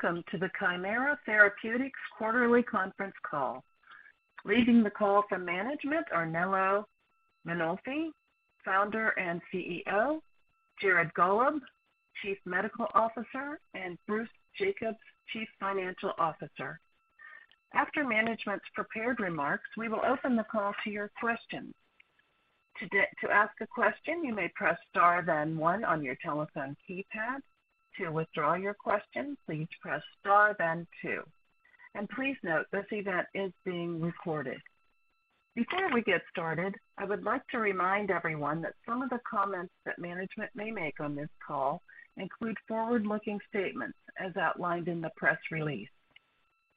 Welcome to the Kymera Therapeutics quarterly conference call. Leading the call from management are Nello Mainolfi, Founder and CEO, Jared Gollob, Chief Medical Officer, and Bruce Jacobs, Chief Financial Officer. After management's prepared remarks, we will open the call to your questions. To ask a question, you may press star then one on your telephone keypad. To withdraw your question, please press star then two. Please note, this event is being recorded. Before we get started, I would like to remind everyone that some of the comments that management may make on this call include forward-looking statements as outlined in the press release.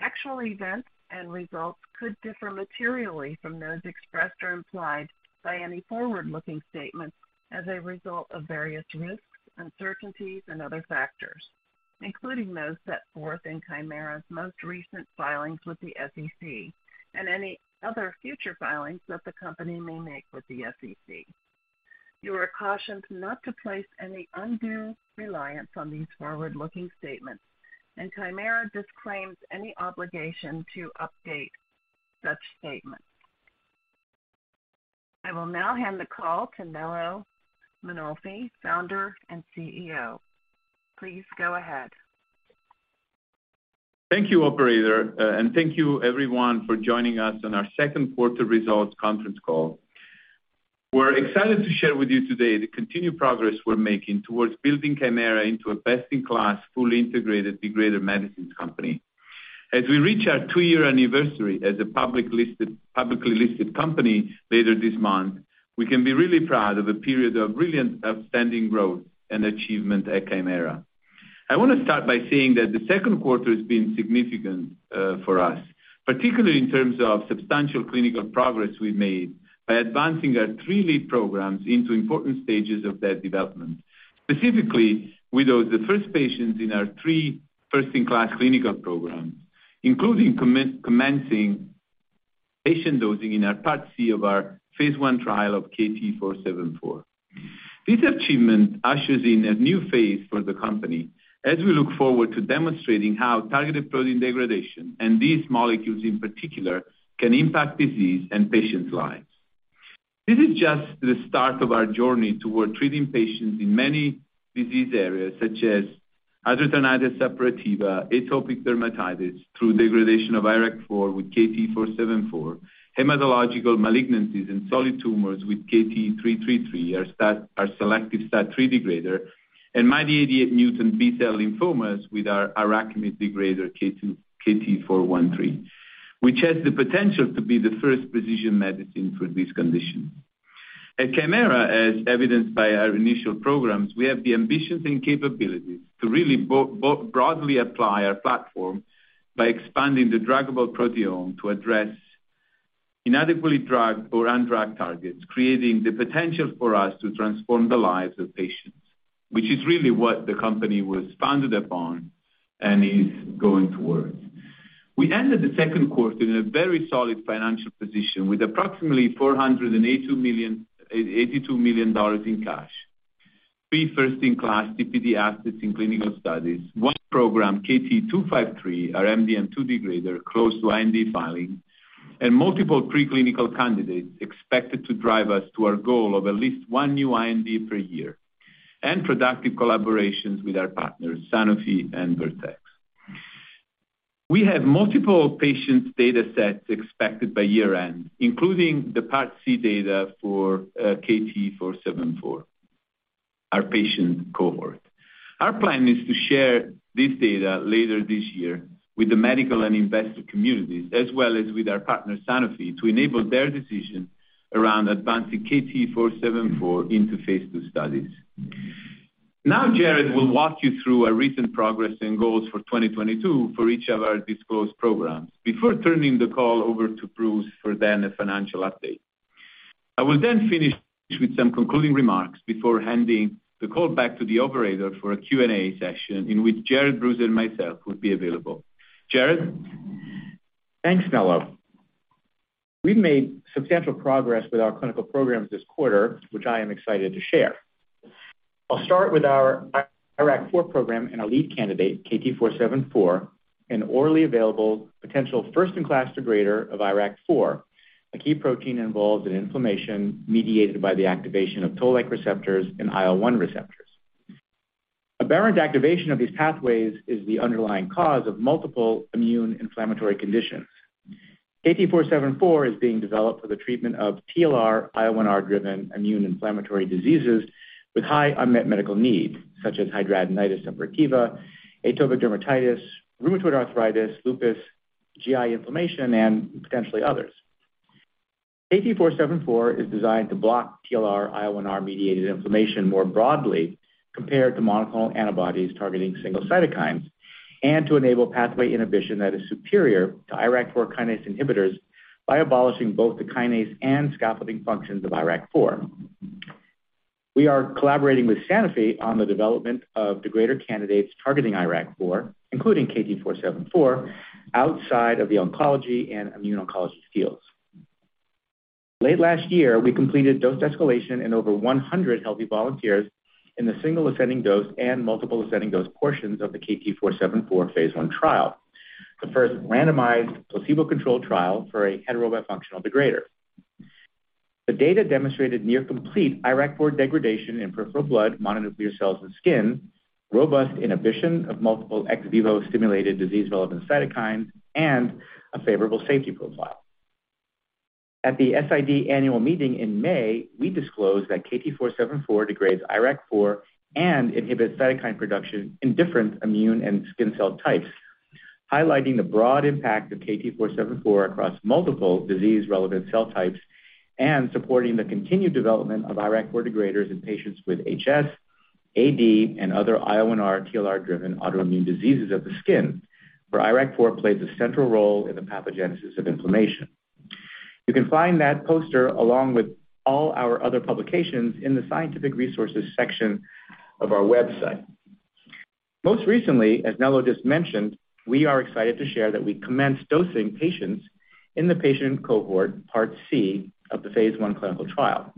Actual events and results could differ materially from those expressed or implied by any forward-looking statements as a result of various risks, uncertainties, and other factors, including those set forth in Kymera's most recent filings with the SEC and any other future filings that the company may make with the SEC. You are cautioned not to place any undue reliance on these forward-looking statements, and Kymera disclaims any obligation to update such statements. I will now hand the call to Nello Mainolfi, Founder and CEO. Please go ahead. Thank you, operator, and thank you everyone for joining us on our second quarter results conference call. We're excited to share with you today the continued progress we're making towards building Kymera into a best-in-class, fully integrated degrader medicines company. As we reach our two-year anniversary as a publicly listed company later this month, we can be really proud of a period of brilliant outstanding growth and achievement at Kymera. I wanna start by saying that the second quarter has been significant for us, particularly in terms of substantial clinical progress we've made by advancing our three lead programs into important stages of their development. Specifically, we dosed the first patients in our three first-in-class clinical programs, including commencing patient dosing in our Part C of our phase I trial of KT-474. This achievement ushers in a new phase for the company as we look forward to demonstrating how targeted protein degradation, and these molecules in particular, can impact disease and patients' lives. This is just the start of our journey toward treating patients in many disease areas such as hidradenitis suppurativa, atopic dermatitis through degradation of IRAK4 with KT-474, hematological malignancies and solid tumors with KT-333, our selective STAT3 degrader, and MYD88 mutant B-cell lymphomas with our IRAKIMiD degrader, KT-413, which has the potential to be the first precision medicine for this condition. At Kymera, as evidenced by our initial programs, we have the ambitions and capabilities to really broadly apply our platform by expanding the druggable proteome to address inadequately drugged or undrugged targets, creating the potential for us to transform the lives of patients, which is really what the company was founded upon and is going towards. We ended the second quarter in a very solid financial position with approximately $482 million in cash. Three first-in-class TPD assets in clinical studies. One program, KT-253, our MDM2 degrader, close to IND filing. Multiple preclinical candidates expected to drive us to our goal of at least one new IND per year, and productive collaborations with our partners, Sanofi and Vertex. We have multiple patients' datasets expected by year-end, including the Part C data for KT-474, our patient cohort. Our plan is to share this data later this year with the medical and investor communities as well as with our partner, Sanofi, to enable their decision around advancing KT-474 into phase II studies. Now Jared will walk you through our recent progress and goals for 2022 for each of our disclosed programs before turning the call over to Bruce for then a financial update. I will then finish with some concluding remarks before handing the call back to the operator for a Q&A session in which Jared, Bruce, and myself will be available. Jared? Thanks, Nello. We've made substantial progress with our clinical programs this quarter, which I am excited to share. I'll start with our IRAK4 program and our lead candidate, KT-474, an orally available potential first-in-class degrader of IRAK4, a key protein involved in inflammation mediated by the activation of toll-like receptors and IL-1 receptors. Aberrant activation of these pathways is the underlying cause of multiple immune inflammatory conditions. KT-474 is being developed for the treatment of TLR, IL-1R-driven immune inflammatory diseases with high unmet medical need, such as hidradenitis suppurativa, atopic dermatitis, rheumatoid arthritis, lupus, GI inflammation, and potentially others. KT-474 is designed to block TLR, IL-1R-mediated inflammation more broadly compared to monoclonal antibodies targeting single cytokines, and to enable pathway inhibition that is superior to IRAK4 kinase inhibitors by abolishing both the kinase and scaffolding functions of IRAK4. We are collaborating with Sanofi on the development of the degrader candidates targeting IRAK4, including KT-474, outside of the oncology and immuno-oncology fields. Late last year, we completed dose escalation in over 100 healthy volunteers in the single ascending dose and multiple ascending dose portions of the KT-474 phase I trial, the first randomized placebo-controlled trial for a heterobifunctional degrader. The data demonstrated near complete IRAK4 degradation in peripheral blood mononuclear cells and skin, robust inhibition of multiple ex vivo stimulated disease-relevant cytokines, and a favorable safety profile. At the SID annual meeting in May, we disclosed that KT-474 degrades IRAK4 and inhibits cytokine production in different immune and skin cell types, highlighting the broad impact of KT-474 across multiple disease-relevant cell types and supporting the continued development of IRAK4 degraders in patients with HS, AD, and other IL-1R, TLR-driven autoimmune diseases of the skin, where IRAK4 plays a central role in the pathogenesis of inflammation. You can find that poster along with all our other publications in the scientific resources section of our website. Most recently, as Nello just mentioned, we are excited to share that we commenced dosing patients in the patient cohort part C of the phase I clinical trial.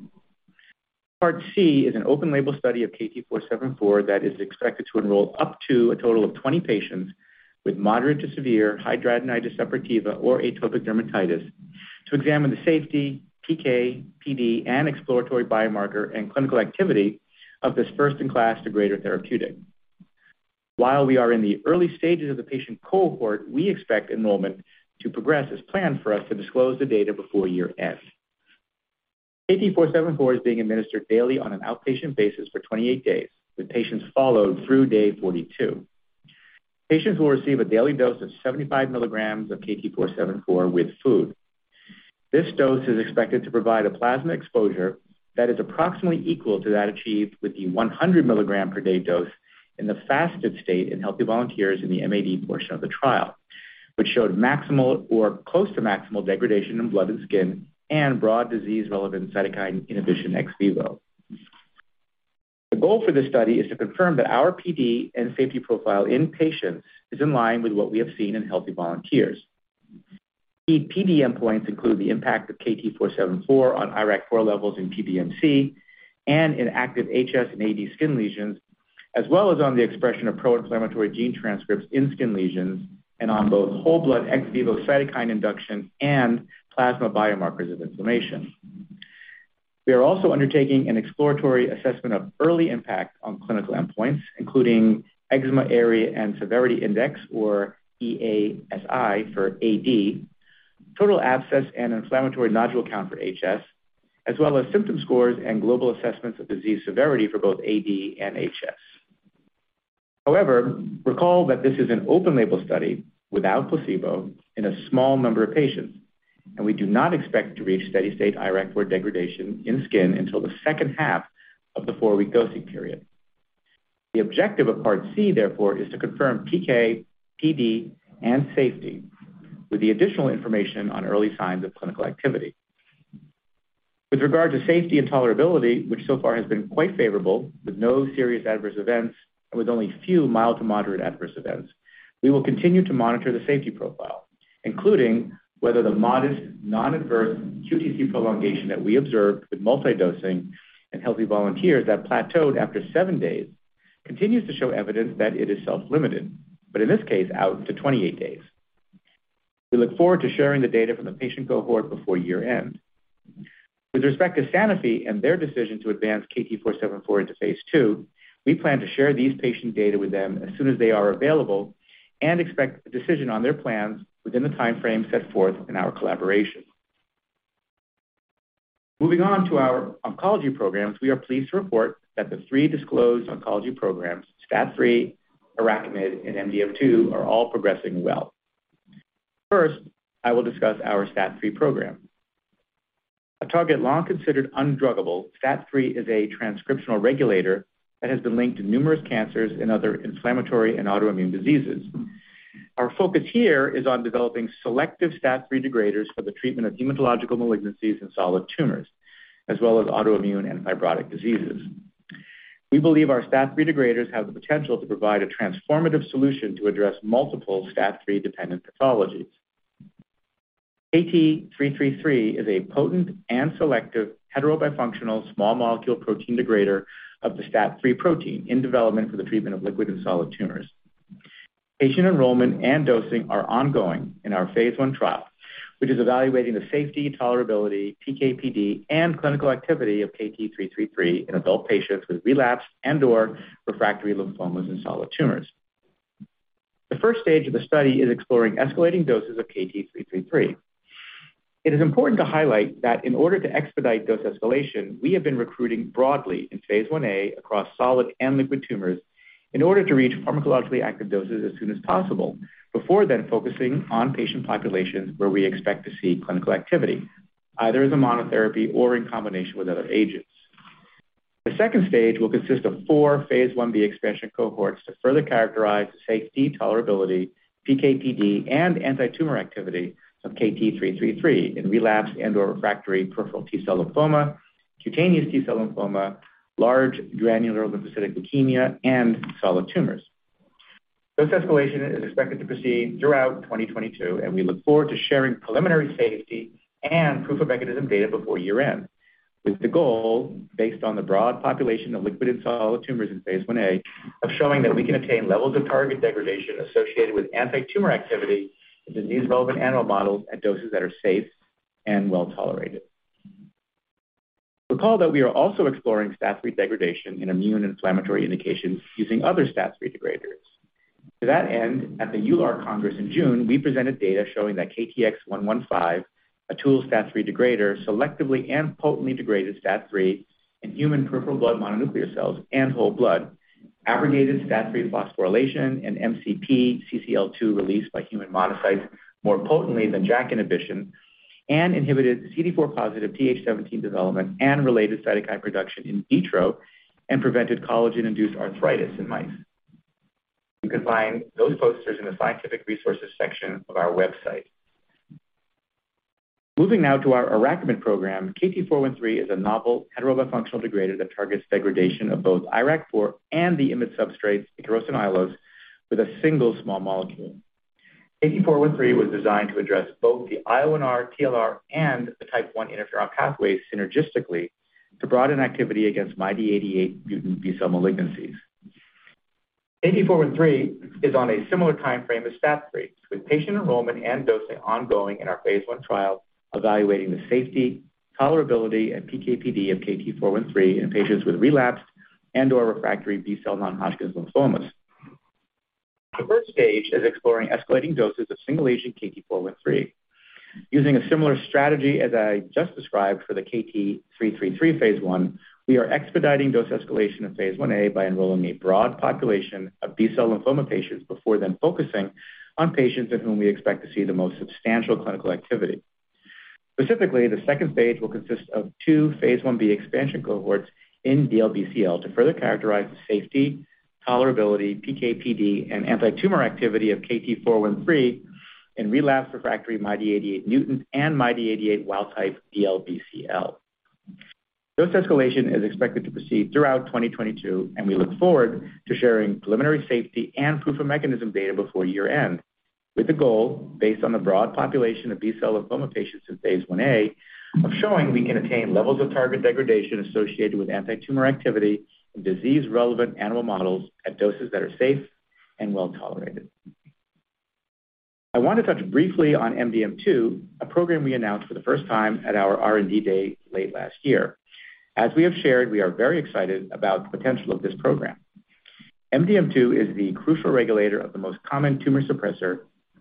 Part C is an open label study of KT-474 that is expected to enroll up to a total of 20 patients with moderate to severe hidradenitis suppurativa or atopic dermatitis to examine the safety, PK/PD, and exploratory biomarker and clinical activity of this first-in-class degrader therapeutic. While we are in the early stages of the patient cohort, we expect enrollment to progress as planned for us to disclose the data before year end. KT-474 is being administered daily on an outpatient basis for 28 days, with patients followed through day 42. Patients will receive a daily dose of 75 mg of KT-474 with food. This dose is expected to provide a plasma exposure that is approximately equal to that achieved with the 100 mg per day dose in the fasted state in healthy volunteers in the MAD portion of the trial, which showed maximal or close to maximal degradation in blood and skin and broad disease-relevant cytokine inhibition ex vivo. The goal for this study is to confirm that our PD and safety profile in patients is in line with what we have seen in healthy volunteers. Key PD endpoints include the impact of KT-474 on IRAK4 levels in PBMC and in active HS and AD skin lesions, as well as on the expression of pro-inflammatory gene transcripts in skin lesions and on both whole blood ex vivo cytokine induction and plasma biomarkers of inflammation. We are also undertaking an exploratory assessment of early impact on clinical endpoints, including eczema area and severity index, or EASI for AD, total abscess and inflammatory nodule count for HS, as well as symptom scores and global assessments of disease severity for both AD and HS. However, recall that this is an open-label study without placebo in a small number of patients, and we do not expect to reach steady-state IRAK4 degradation in skin until the second half of the four-week dosing period. The objective of part C, therefore, is to confirm PK, PD, and safety with the additional information on early signs of clinical activity. With regard to safety and tolerability, which so far has been quite favorable, with no serious adverse events and with only few mild to moderate adverse events, we will continue to monitor the safety profile, including whether the modest non-adverse QTC prolongation that we observed with multi-dosing in healthy volunteers that plateaued after seven days continues to show evidence that it is self-limited, but in this case, out to 28 days. We look forward to sharing the data from the patient cohort before year-end. With respect to Sanofi and their decision to advance KT-474 into phase II, we plan to share these patient data with them as soon as they are available and expect a decision on their plans within the timeframe set forth in our collaboration. Moving on to our oncology programs, we are pleased to report that the three disclosed oncology programs, STAT3, IRAKIMiD, and MDM2 are all progressing well. First, I will discuss our STAT3 program. A target long considered undruggable, STAT3 is a transcriptional regulator that has been linked to numerous cancers and other inflammatory and autoimmune diseases. Our focus here is on developing selective STAT3 degraders for the treatment of hematological malignancies and solid tumors, as well as autoimmune and fibrotic diseases. We believe our STAT3 degraders have the potential to provide a transformative solution to address multiple STAT3-dependent pathologies. KT-333 is a potent and selective heterobifunctional small molecule protein degrader of the STAT3 protein in development for the treatment of liquid and solid tumors. Patient enrollment and dosing are ongoing in our phase I trial, which is evaluating the safety, tolerability, PK/PD, and clinical activity of KT-333 in adult patients with relapsed and/or refractory lymphomas and solid tumors. The first stage of the study is exploring escalating doses of KT-333. It is important to highlight that in order to expedite dose escalation, we have been recruiting broadly phase I-A across solid and liquid tumors in order to reach pharmacologically active doses as soon as possible before then focusing on patient populations where we expect to see clinical activity, either as a monotherapy or in combination with other agents. The second stage will consist of phase I-B expansion cohorts to further characterize the safety, tolerability, PK/PD, and antitumor activity of KT-333 in relapsed and/or refractory peripheral T-cell lymphoma, cutaneous T-cell lymphoma, large granular lymphocytic leukemia, and solid tumors. Dose escalation is expected to proceed throughout 2022, and we look forward to sharing preliminary safety and proof of mechanism data before year-end, with the goal based on the broad population of liquid and solid tumors phase I-A of showing that we can attain levels of target degradation associated with antitumor activity in disease-relevant animal models at doses that are safe and well-tolerated. Recall that we are also exploring STAT3 degradation in immune inflammatory indications using other STAT3 degraders. To that end, at the EULAR Congress in June, we presented data showing that KTX-115, a tool STAT3 degrader, selectively and potently degraded STAT3 in human peripheral blood mononuclear cells and whole blood, abrogated STAT3 phosphorylation and MCP-1/CCL2 release by human monocytes more potently than JAK inhibition, and inhibited CD4 positive Th17 development and related cytokine production in vitro, and prevented collagen-induced arthritis in mice. You can find those posters in the scientific resources section of our website. Moving now to our IRAKIMiD program, KT-413 is a novel heterobifunctional degrader that targets degradation of both IRAK4 and the IMiD substrates Ikaros and Aiolos with a single small molecule. KT-413 was designed to address both the IL-1R, TLR, and the type one interferon pathways synergistically to broaden activity against MYD88 mutant B-cell malignancies. KT-413 is on a similar timeframe as STAT3, with patient enrollment and dosing ongoing in our phase I trial evaluating the safety, tolerability, and PK/PD of KT-413 in patients with relapsed and/or refractory B-cell non-Hodgkin's lymphomas. The first stage is exploring escalating doses of single-agent KT-413. Using a similar strategy as I just described for the KT-333 phase I, we are expediting dose escalation phase I-A by enrolling a broad population of B-cell lymphoma patients before then focusing on patients in whom we expect to see the most substantial clinical activity. Specifically, the second stage will consist of phase I-B expansion cohorts in DLBCL to further characterize the safety, tolerability, PK/PD, and antitumor activity of KT-413 in relapsed/refractory MYD88-mutant and MYD88 wild-type DLBCL. Dose escalation is expected to proceed throughout 2022, and we look forward to sharing preliminary safety and proof of mechanism data before year-end, with the goal based on the broad population of B-cell lymphoma patients phase I-A of showing we can attain levels of target degradation associated with antitumor activity in disease-relevant animal models at doses that are safe and well-tolerated. I want to touch briefly on MDM2, a program we announced for the first time at our R&D day late last year. As we have shared, we are very excited about the potential of this program. MDM2 is the crucial regulator of the most common tumor suppressor,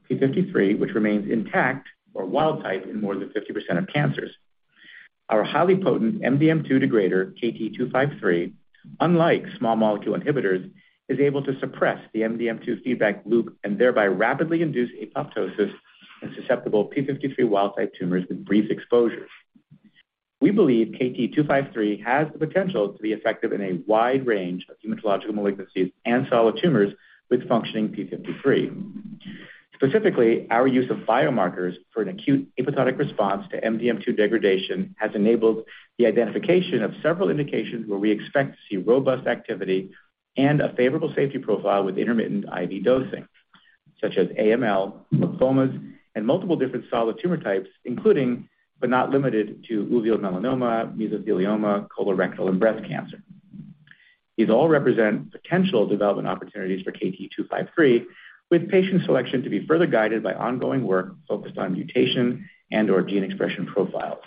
p53, which remains intact or wild-type in more than 50% of cancers. Our highly potent MDM2 degrader, KT-253, unlike small molecule inhibitors, is able to suppress the MDM2 feedback loop and thereby rapidly induce apoptosis in susceptible p53 wild-type tumors with brief exposures. We believe KT-253 has the potential to be effective in a wide range of hematological malignancies and solid tumors with functioning p53. Specifically, our use of biomarkers for an acute apoptotic response to MDM2 degradation has enabled the identification of several indications where we expect to see robust activity and a favorable safety profile with intermittent IV dosing, such as AML, lymphomas, and multiple different solid tumor types, including, but not limited to, uveal melanoma, mesothelioma, colorectal, and breast cancer. These all represent potential development opportunities for KT-253, with patient selection to be further guided by ongoing work focused on mutation and/or gene expression profiles.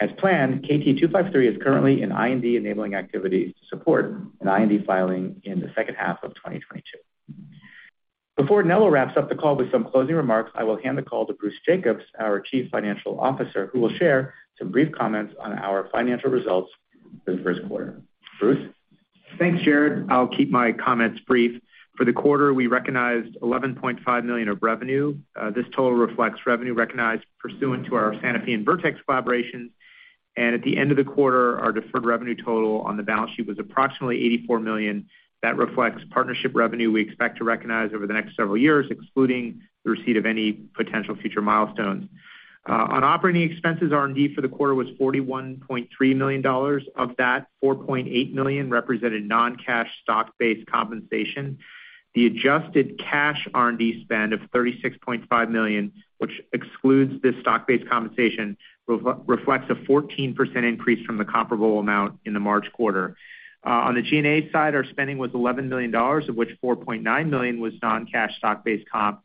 As planned, KT-253 is currently in IND-enabling activities supporting an IND filing in the second half of 2022. Before Nello wraps up the call with some closing remarks, I will hand the call to Bruce Jacobs, our Chief Financial Officer, who will share some brief comments on our financial results for the first quarter. Bruce? Thanks, Jared. I'll keep my comments brief. For the quarter, we recognized $11.5 million of revenue. This total reflects revenue recognized pursuant to our Sanofi and Vertex collaborations. At the end of the quarter, our deferred revenue total on the balance sheet was approximately $84 million. That reflects partnership revenue we expect to recognize over the next several years, excluding the receipt of any potential future milestones. On operating expenses, R&D for the quarter was $41.3 million. Of that, $4.8 million represented non-cash stock-based compensation. The adjusted cash R&D spend of $36.5 million, which excludes this stock-based compensation, reflects a 14% increase from the comparable amount in the March quarter. On the G&A side, our spending was $11 million, of which $4.9 million was non-cash stock-based comp.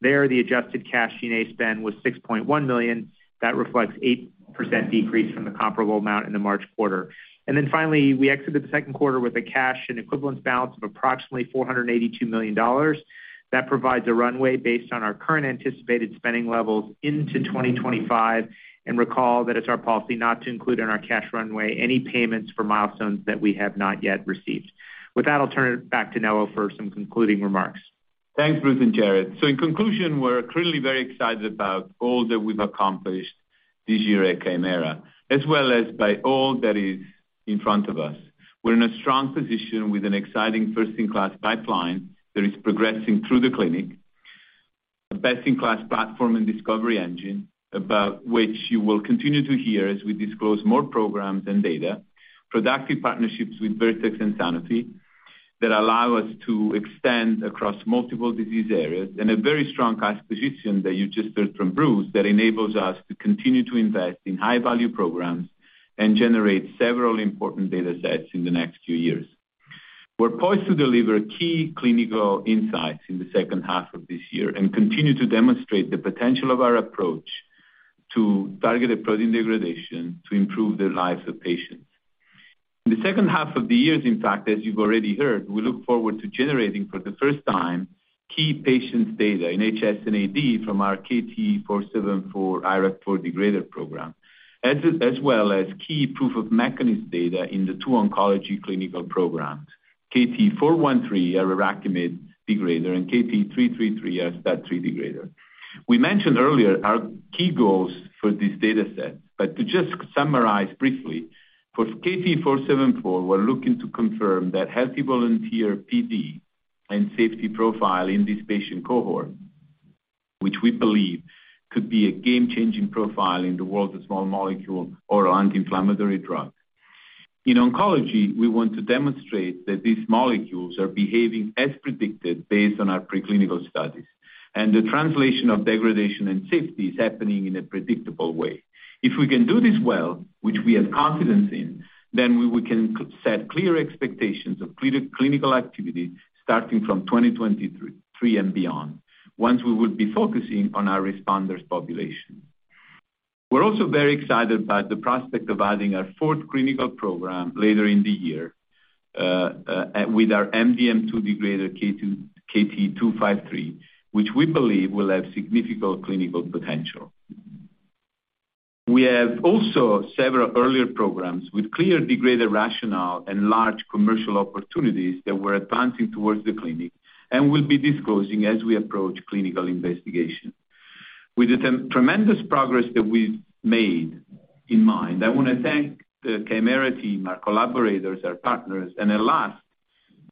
There, the adjusted cash G&A spend was $6.1 million. That reflects 8% decrease from the comparable amount in the March quarter. Then finally, we exited the second quarter with a cash and equivalents balance of approximately $482 million. That provides a runway based on our current anticipated spending levels into 2025. Recall that it's our policy not to include in our cash runway any payments for milestones that we have not yet received. With that, I'll turn it back to Nello for some concluding remarks. Thanks, Bruce and Jared. In conclusion, we're clearly very excited about all that we've accomplished this year at Kymera, as well as by all that is in front of us. We're in a strong position with an exciting first-in-class pipeline that is progressing through the clinic. A best-in-class platform and discovery engine about which you will continue to hear as we disclose more programs and data, productive partnerships with Vertex and Sanofi that allow us to extend across multiple disease areas and a very strong cash position that you just heard from Bruce that enables us to continue to invest in high value programs and generate several important data sets in the next few years. We're poised to deliver key clinical insights in the second half of this year and continue to demonstrate the potential of our approach to targeted protein degradation to improve the lives of patients. In the second half of the year, in fact, as you've already heard, we look forward to generating for the first time key patient data in HS and AD from our KT-474 IRAK4 degrader program, as well as key proof of mechanism data in the two oncology clinical programs, KT-413, our IRAKIMiD degrader, and KT-333, our STAT3 degrader. We mentioned earlier our key goals for these data sets. To just summarize briefly, for KT-474, we're looking to confirm that healthy volunteer PD and safety profile in this patient cohort, which we believe could be a game-changing profile in the world of small molecule or anti-inflammatory drug. In oncology, we want to demonstrate that these molecules are behaving as predicted based on our preclinical studies, and the translation of degradation and safety is happening in a predictable way. If we can do this well, which we have confidence in, then we can set clear expectations of clinical activity starting from 2023 and beyond, once we would be focusing on our responders population. We're also very excited by the prospect of adding our fourth clinical program later in the year with our MDM2 degrader, KT-253, which we believe will have significant clinical potential. We have also several earlier programs with clear degrader rationale and large commercial opportunities that we're advancing towards the clinic and will be disclosing as we approach clinical investigation. With the tremendous progress that we've made in mind, I wanna thank the Kymera team, our collaborators, our partners, and last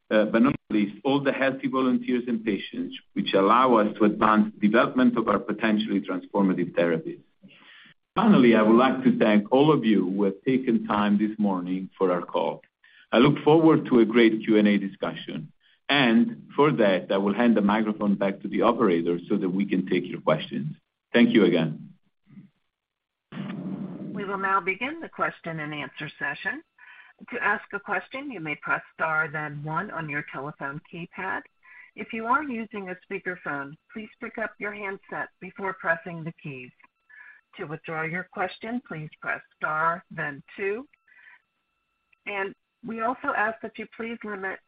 but not least, all the healthy volunteers and patients which allow us to advance development of our potentially transformative therapies. Finally, I would like to thank all of you who have taken time this morning for our call. I look forward to a great Q&A discussion, and for that, I will hand the microphone back to the operator so that we can take your questions. Thank you again. We will now begin the question-and-answer session. To ask a question, you may press star then one on your telephone keypad. If you are using a speakerphone, please pick up your handset before pressing the keys. To withdraw your question, please press star then two. We also ask that you please limit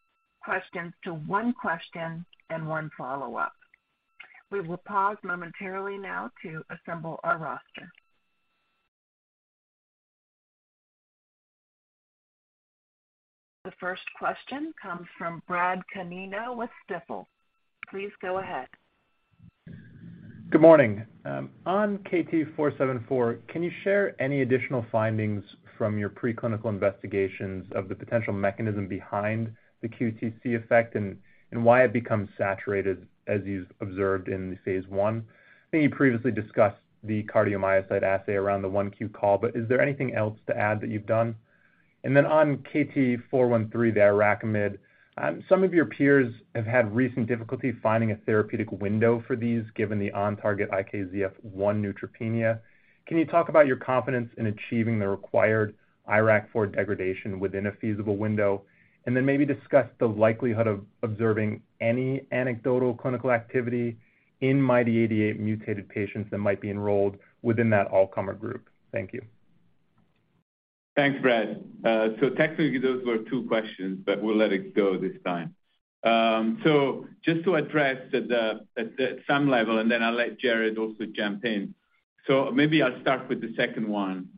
questions to one question and one follow-up. We will pause momentarily now to assemble our roster. The first question comes from Brad Canino with Stifel. Please go ahead. Good morning. On KT-474, can you share any additional findings from your preclinical investigations of the potential mechanism behind the QTC effect and why it becomes saturated as you've observed in the phase I? I think you previously discussed the cardiomyocyte assay around the 1Q call, but is there anything else to add that you've done? On KT-413, the IRAKIMiD, some of your peers have had recent difficulty finding a therapeutic window for these given the on-target IKZF1 neutropenia. Can you talk about your confidence in achieving the required IRAK4 degradation within a feasible window? Maybe discuss the likelihood of observing any anecdotal clinical activity in MYD88-mutated patients that might be enrolled within that all-comer group. Thank you. Thanks, Brad. Technically, those were two questions, but we'll let it go this time. Just to address at some level, and then I'll let Jared also jump in. Maybe I'll start with the second one.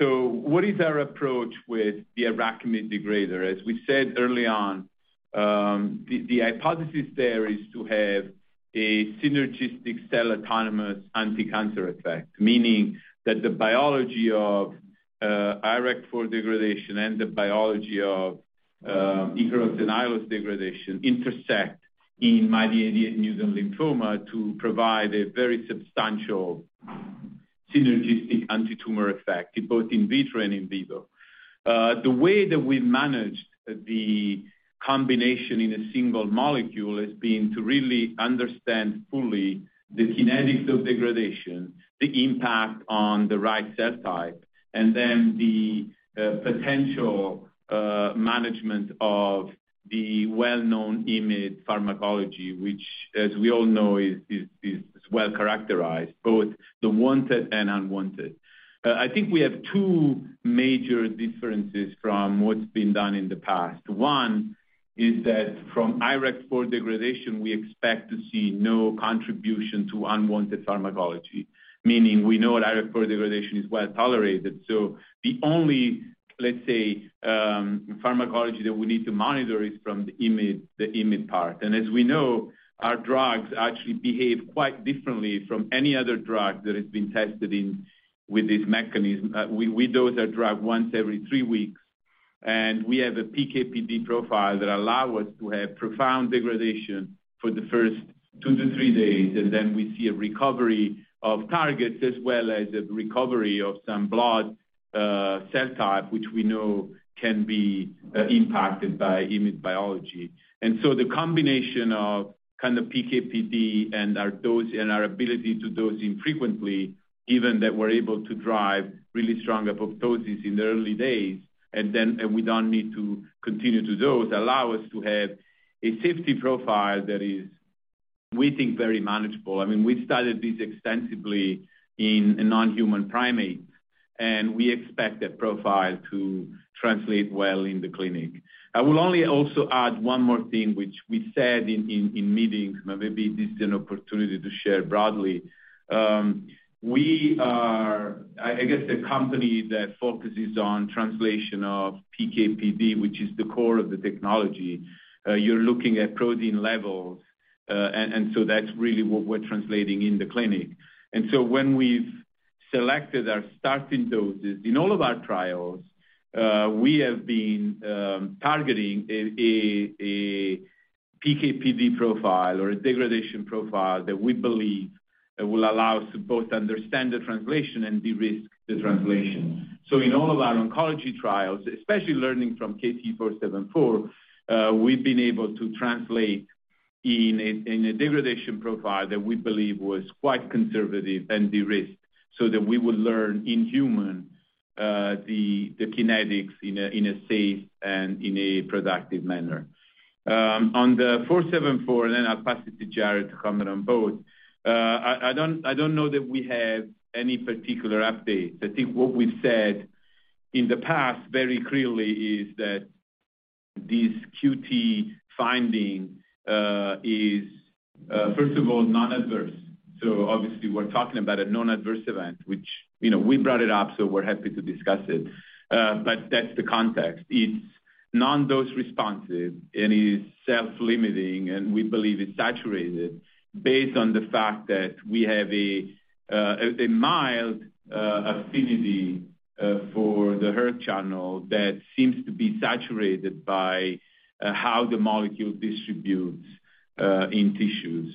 What is our approach with the IRAKIMiD degrader? As we said early on, the hypothesis there is to have a synergistic cell-autonomous anticancer effect, meaning that the biology of IRAK4 degradation and the biology of Ikaros and Aiolos degradation intersect in MYD88 mutant lymphoma to provide a very substantial synergistic antitumor effect, both in vitro and in vivo. The way that we managed the combination in a single molecule has been to really understand fully the kinetics of degradation, the impact on the right cell type, and then the potential management of the well-known IMiD pharmacology, which as we all know is well-characterized, both the wanted and unwanted. I think we have two major differences from what's been done in the past. One is that from IRAK4 degradation, we expect to see no contribution to unwanted pharmacology, meaning we know what IRAK4 degradation is well-tolerated. So the only, let's say, pharmacology that we need to monitor is from the IMiD, the IMiD part. As we know, our drugs actually behave quite differently from any other drug that has been tested with this mechanism. We dose our drug once every three weeks. We have a PK/PD profile that allow us to have profound degradation for the first two to three days. Then we see a recovery of targets as well as a recovery of some blood cell type, which we know can be impacted by immunobiology. The combination of kind of PK/PD and our ability to dose infrequently, given that we're able to drive really strong apoptosis in the early days, and we don't need to continue to dose, allow us to have a safety profile that is, we think, very manageable. I mean, we've studied this extensively in a non-human primate, and we expect that profile to translate well in the clinic. I will only also add one more thing, which we said in meetings, but maybe this is an opportunity to share broadly. We are, I guess, the company that focuses on translation of PK/PD, which is the core of the technology. You're looking at protein levels. That's really what we're translating in the clinic. When we've selected our starting doses in all of our trials, we have been targeting a PK/PD profile or a degradation profile that we believe will allow us to both understand the translation and de-risk the translation. In all of our oncology trials, especially learning from KT-474, we've been able to translate in a degradation profile that we believe was quite conservative and de-risked so that we would learn in human the kinetics in a safe and productive manner. On the 474, I'll pass it to Jared to comment on both. I don't know that we have any particular update. I think what we've said in the past very clearly is that this QT finding is first of all non-adverse. Obviously we're talking about a non-adverse event, which, you know, we brought it up, so we're happy to discuss it. But that's the context. It's non-dose responsive and is self-limiting, and we believe it's saturated based on the fact that we have a mild affinity for the hERG channel that seems to be saturated by how the molecule distributes in tissues.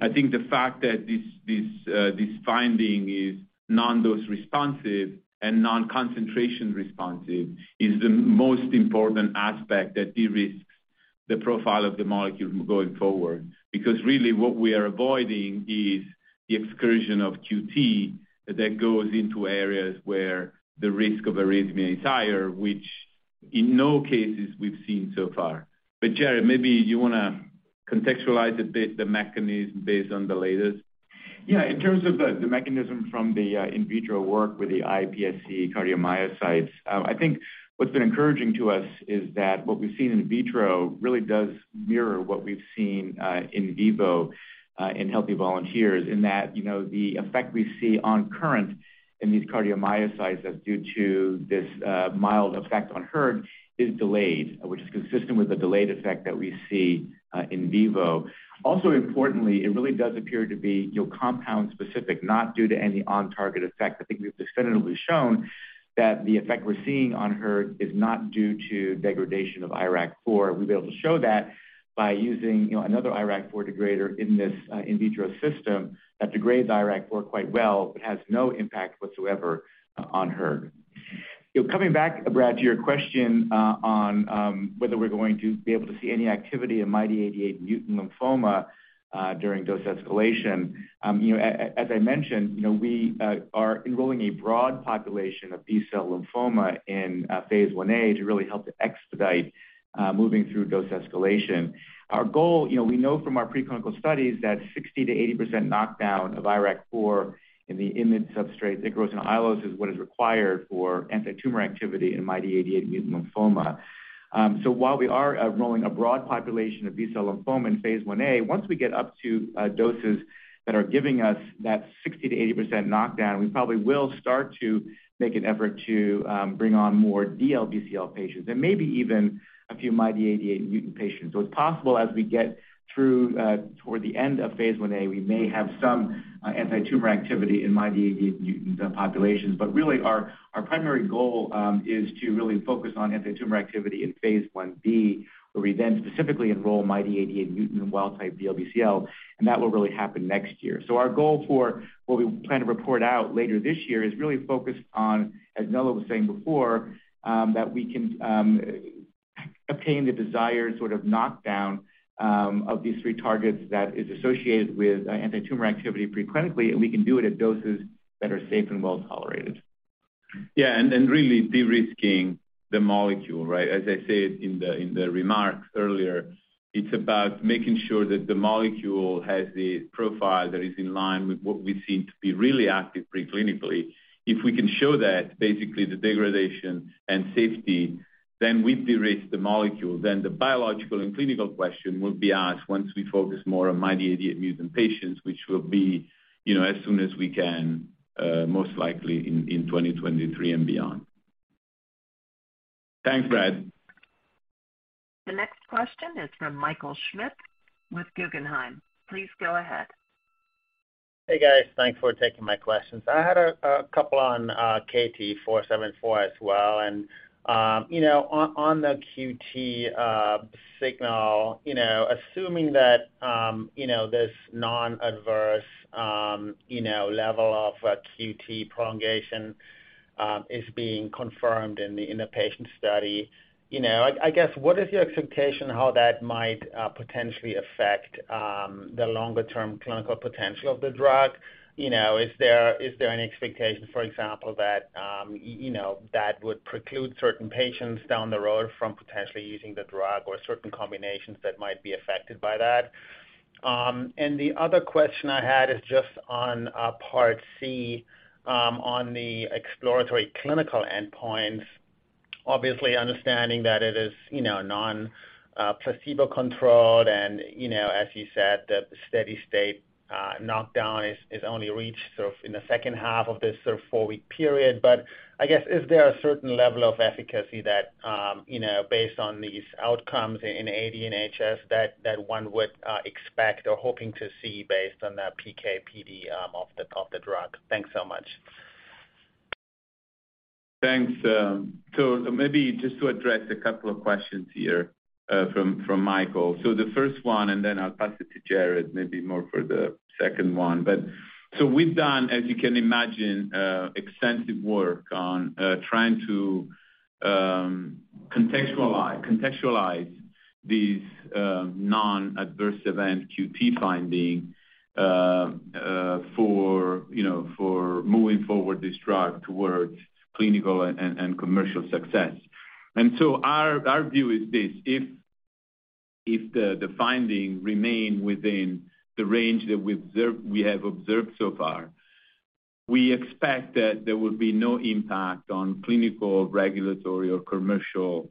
I think the fact that this finding is non-dose responsive and non-concentration responsive is the most important aspect that de-risks the profile of the molecule going forward. Because really what we are avoiding is the excursion of QT that then goes into areas where the risk of arrhythmia is higher, which in no cases we've seen so far. Jared, maybe you wanna contextualize a bit the mechanism based on the latest. Yeah. In terms of the mechanism from the in vitro work with the iPSC cardiomyocytes, I think what's been encouraging to us is that what we've seen in vitro really does mirror what we've seen in vivo in healthy volunteers in that, you know, the effect we see on current in these cardiomyocytes that's due to this mild effect on hERG is delayed, which is consistent with the delayed effect that we see in vivo. Also importantly, it really does appear to be, you know, compound specific, not due to any on target effect. I think we've definitively shown that the effect we're seeing on hERG is not due to degradation of IRAK4. We've been able to show that by using, you know, another IRAK4 degrader in this in vitro system that degrades IRAK4 quite well, but has no impact whatsoever on hERG. You know, coming back, Brad, to your question on whether we're going to be able to see any activity in MYD88 mutant lymphoma during dose escalation. You know, as I mentioned, you know, we are enrolling a broad population of B-cell lymphoma phase I-A to really help to expedite moving through dose escalation. Our goal, you know, we know from our preclinical studies that 60%-80% knockdown of IRAK4 in the IMiD substrate Ikaros and Aiolos is what is required for antitumor activity in MYD88 mutant lymphoma. While we are enrolling a broad population of B-cell lymphoma phase I-A, once we get up to doses that are giving us that 60%-80% knockdown, we probably will start to make an effort to bring on more DLBCL patients and maybe even a few MYD88 mutant patients. It's possible as we get through toward the end phase I-A, we may have some antitumor activity in MYD88 mutant populations. Really our primary goal is to really focus on antitumor activity phase I-B, where we then specifically enroll MYD88 mutant and wild-type DLBCL, and that will really happen next year. Our goal for what we plan to report out later this year is really focused on, as Nello was saying before, that we can obtain the desired sort of knockdown of these three targets that is associated with antitumor activity preclinically, and we can do it at doses that are safe and well-tolerated. Yeah. Really de-risking the molecule, right? As I said in the remarks earlier, it's about making sure that the molecule has the profile that is in line with what we seem to be really active preclinically. If we can show that basically the degradation and safety, then we've de-risked the molecule, then the biological and clinical question will be asked once we focus more on MYD88 mutant patients, which will be, you know, as soon as we can, most likely in 2023 and beyond. Thanks, Brad. The next question is from Michael Schmidt with Guggenheim. Please go ahead. Hey, guys. Thanks for taking my questions. I had a couple on KT-474 as well. You know, on the QT signal, assuming that this non-adverse level of QT prolongation is being confirmed in the patient study. I guess what is your expectation how that might potentially affect the longer-term clinical potential of the drug? Is there any expectation, for example, that would preclude certain patients down the road from potentially using the drug or certain combinations that might be affected by that? The other question I had is just on part C on the exploratory clinical endpoints. Obviously, understanding that it is, you know, non-placebo-controlled and, you know, as you said, that the steady state knockdown is only reached sort of in the second half of this sort of four-week period. I guess, is there a certain level of efficacy that, you know, based on these outcomes in AD and HS that one would expect or hoping to see based on the PK/PD of the drug? Thanks so much. Thanks. Maybe just to address a couple of questions here, from Michael. The first one, and then I'll pass it to Jared maybe more for the second one. We've done, as you can imagine, extensive work on trying to contextualize these non-adverse event QT finding, for you know, for moving forward this drug towards clinical and commercial success. Our view is this, if the finding remain within the range that we have observed so far, we expect that there will be no impact on clinical, regulatory or commercial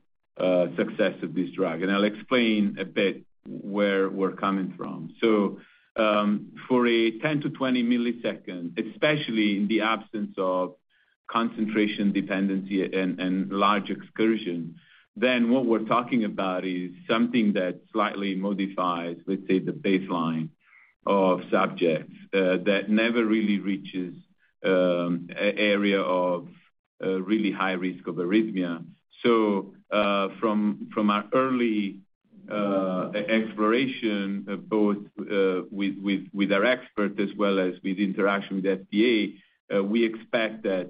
success of this drug. I'll explain a bit where we're coming from. For a 10-20 millisecond, especially in the absence of concentration dependency and large excursions, what we're talking about is something that slightly modifies, let's say, the baseline of subjects that never really reaches an area of really high risk of arrhythmia. From our early exploration, both with our experts as well as with interaction with FDA, we expect that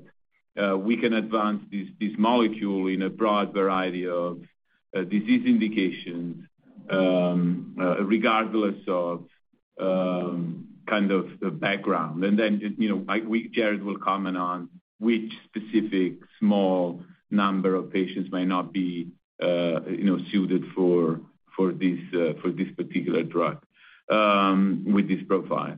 we can advance this molecule in a broad variety of disease indications, regardless of kind of the background. You know, Jared will comment on which specific small number of patients might not be, you know, suited for this particular drug with this profile.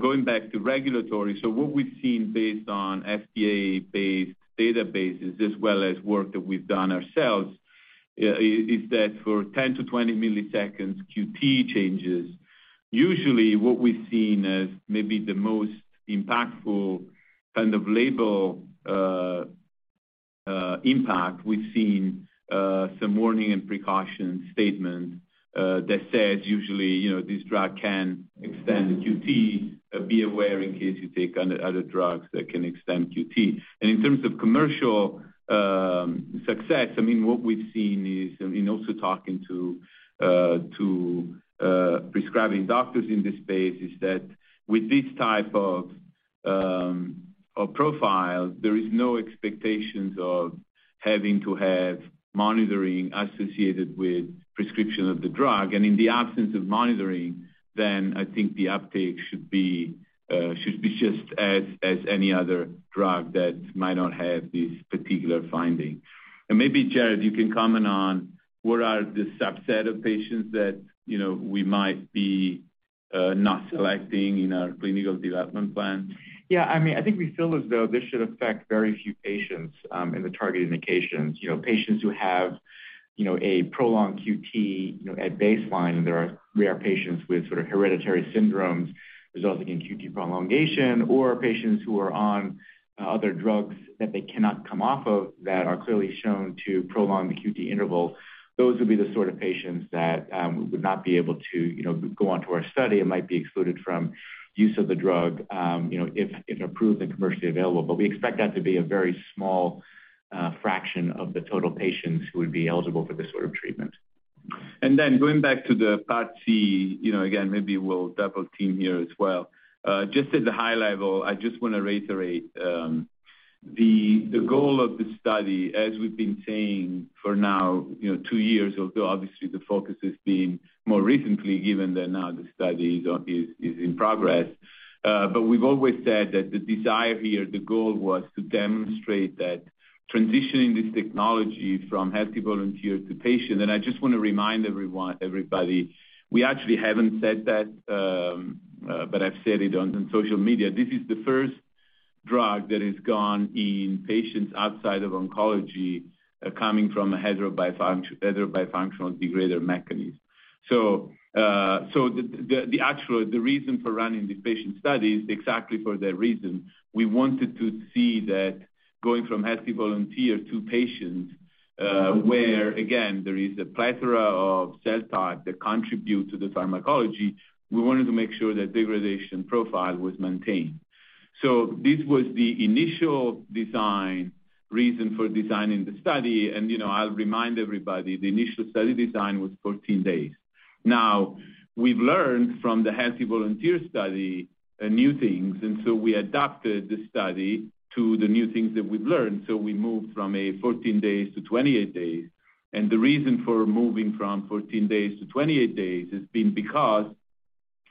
Going back to regulatory. What we've seen based on FDA-based databases as well as work that we've done ourselves is that for 10-20 milliseconds QT changes, usually what we've seen as maybe the most impactful kind of label impact, we've seen some warning and precaution statements that says usually, you know, this drug can extend the QT. Be aware in case you take other drugs that can extend QT. In terms of commercial success, I mean, what we've seen is, and also talking to prescribing doctors in this space, is that with this type of profile, there is no expectations of having to have monitoring associated with prescription of the drug. In the absence of monitoring, then I think the uptake should be just as any other drug that might not have this particular finding. Maybe, Jared, you can comment on what are the subset of patients that, you know, we might be not selecting in our clinical development plan. Yeah, I mean, I think we feel as though this should affect very few patients in the targeted indications. You know, patients who have, you know, a prolonged QT, you know, at baseline. There are rare patients with sort of hereditary syndromes resulting in QT prolongation or patients who are on other drugs that they cannot come off of that are clearly shown to prolong the QT interval. Those would be the sort of patients that would not be able to, you know, go onto our study and might be excluded from use of the drug, you know, if approved and commercially available. We expect that to be a very small fraction of the total patients who would be eligible for this sort of treatment. Going back to the part C, again, maybe we'll double team here as well. Just at the high level, I just wanna reiterate the goal of the study, as we've been saying for now two years, although obviously the focus has been more recently given that now the study is in progress. We've always said that the desire here, the goal was to demonstrate that transitioning this technology from healthy volunteer to patient. I just wanna remind everyone, we actually haven't said that, but I've said it in social media. This is the first drug that has gone in patients outside of oncology, coming from a heterobifunctional degrader mechanism. The reason for running the patient study is exactly for that reason. We wanted to see that going from healthy volunteer to patient, where again, there is a plethora of cell types that contribute to the pharmacology. We wanted to make sure that degradation profile was maintained. This was the initial design reason for designing the study and, you know, I'll remind everybody the initial study design was 14 days. Now, we've learned from the healthy volunteer study, new things, and so we adapted the study to the new things that we've learned. We moved from 14 days to 28 days. The reason for moving from 14 days to 28 days has been because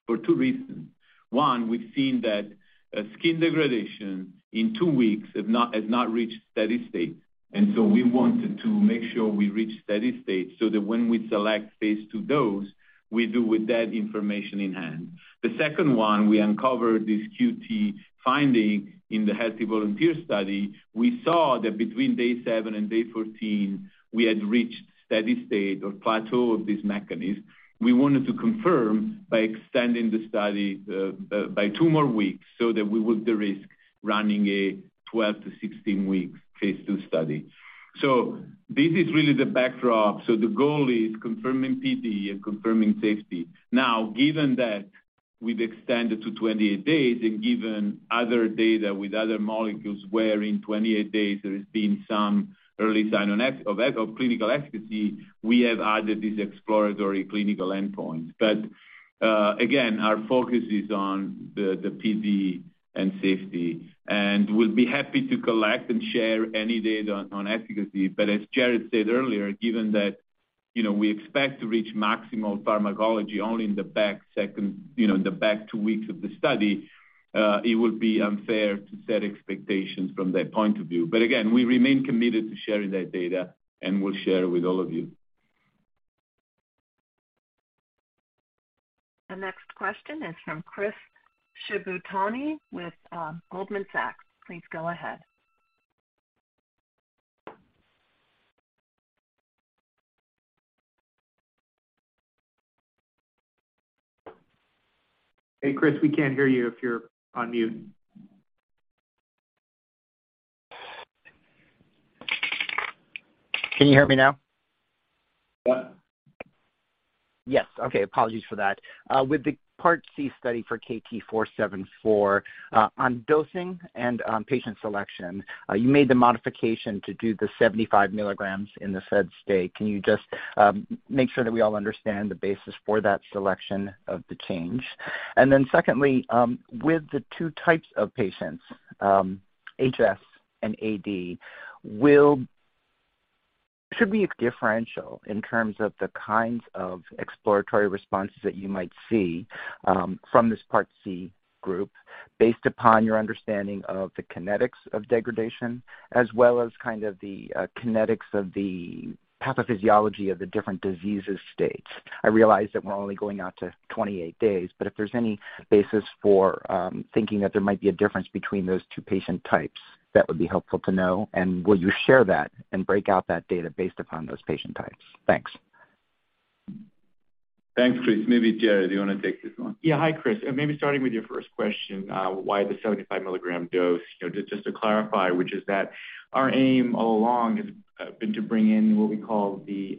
for two reasons. one, we've seen that, skin degradation in two weeks has not reached steady state. We wanted to make sure we reach steady state so that when we select phase II dose, we do with that information in hand. The second one, we uncovered this QT finding in the healthy volunteer study. We saw that between day seven and day 14 we had reached steady state or plateau of this mechanism. We wanted to confirm by extending the study by two more weeks so that we would de-risk running a 12-16-week phase II study. This is really the backdrop. The goal is confirming PD and confirming safety. Now, given that we've extended to 28 days and given other data with other molecules where in 28 days there has been some early sign of clinical efficacy, we have added these exploratory clinical endpoints. Again, our focus is on the PD and safety, and we'll be happy to collect and share any data on efficacy. As Jared said earlier, given that, you know, we expect to reach maximal pharmacology only in the back half, you know, in the back two weeks of the study, it would be unfair to set expectations from that point of view. Again, we remain committed to sharing that data, and we'll share with all of you. The next question is from Chris Shibutani with Goldman Sachs. Please go ahead. Hey, Chris, we can't hear you if you're on mute. Can you hear me now? Yeah. Yes. Okay, apologies for that. With the part C study for KT-474, on dosing and on patient selection, you made the modification to do the 75 mg in the fed state. Can you just make sure that we all understand the basis for that selection of the change? Then secondly, with the two types of patients, HS and AD, should be differential in terms of the kinds of exploratory responses that you might see from this part C group based upon your understanding of the kinetics of degradation as well as kind of the kinetics of the pathophysiology of the different disease states. I realize that we're only going out to 28 days, but if there's any basis for thinking that there might be a difference between those two patient types, that would be helpful to know. Will you share that and break out that data based upon those patient types? Thanks. Thanks, Chris. Maybe, Jared, do you wanna take this one? Yeah. Hi, Chris. Maybe starting with your first question, why the 75 mg dose, just to clarify, which is that our aim all along has been to bring in what we call the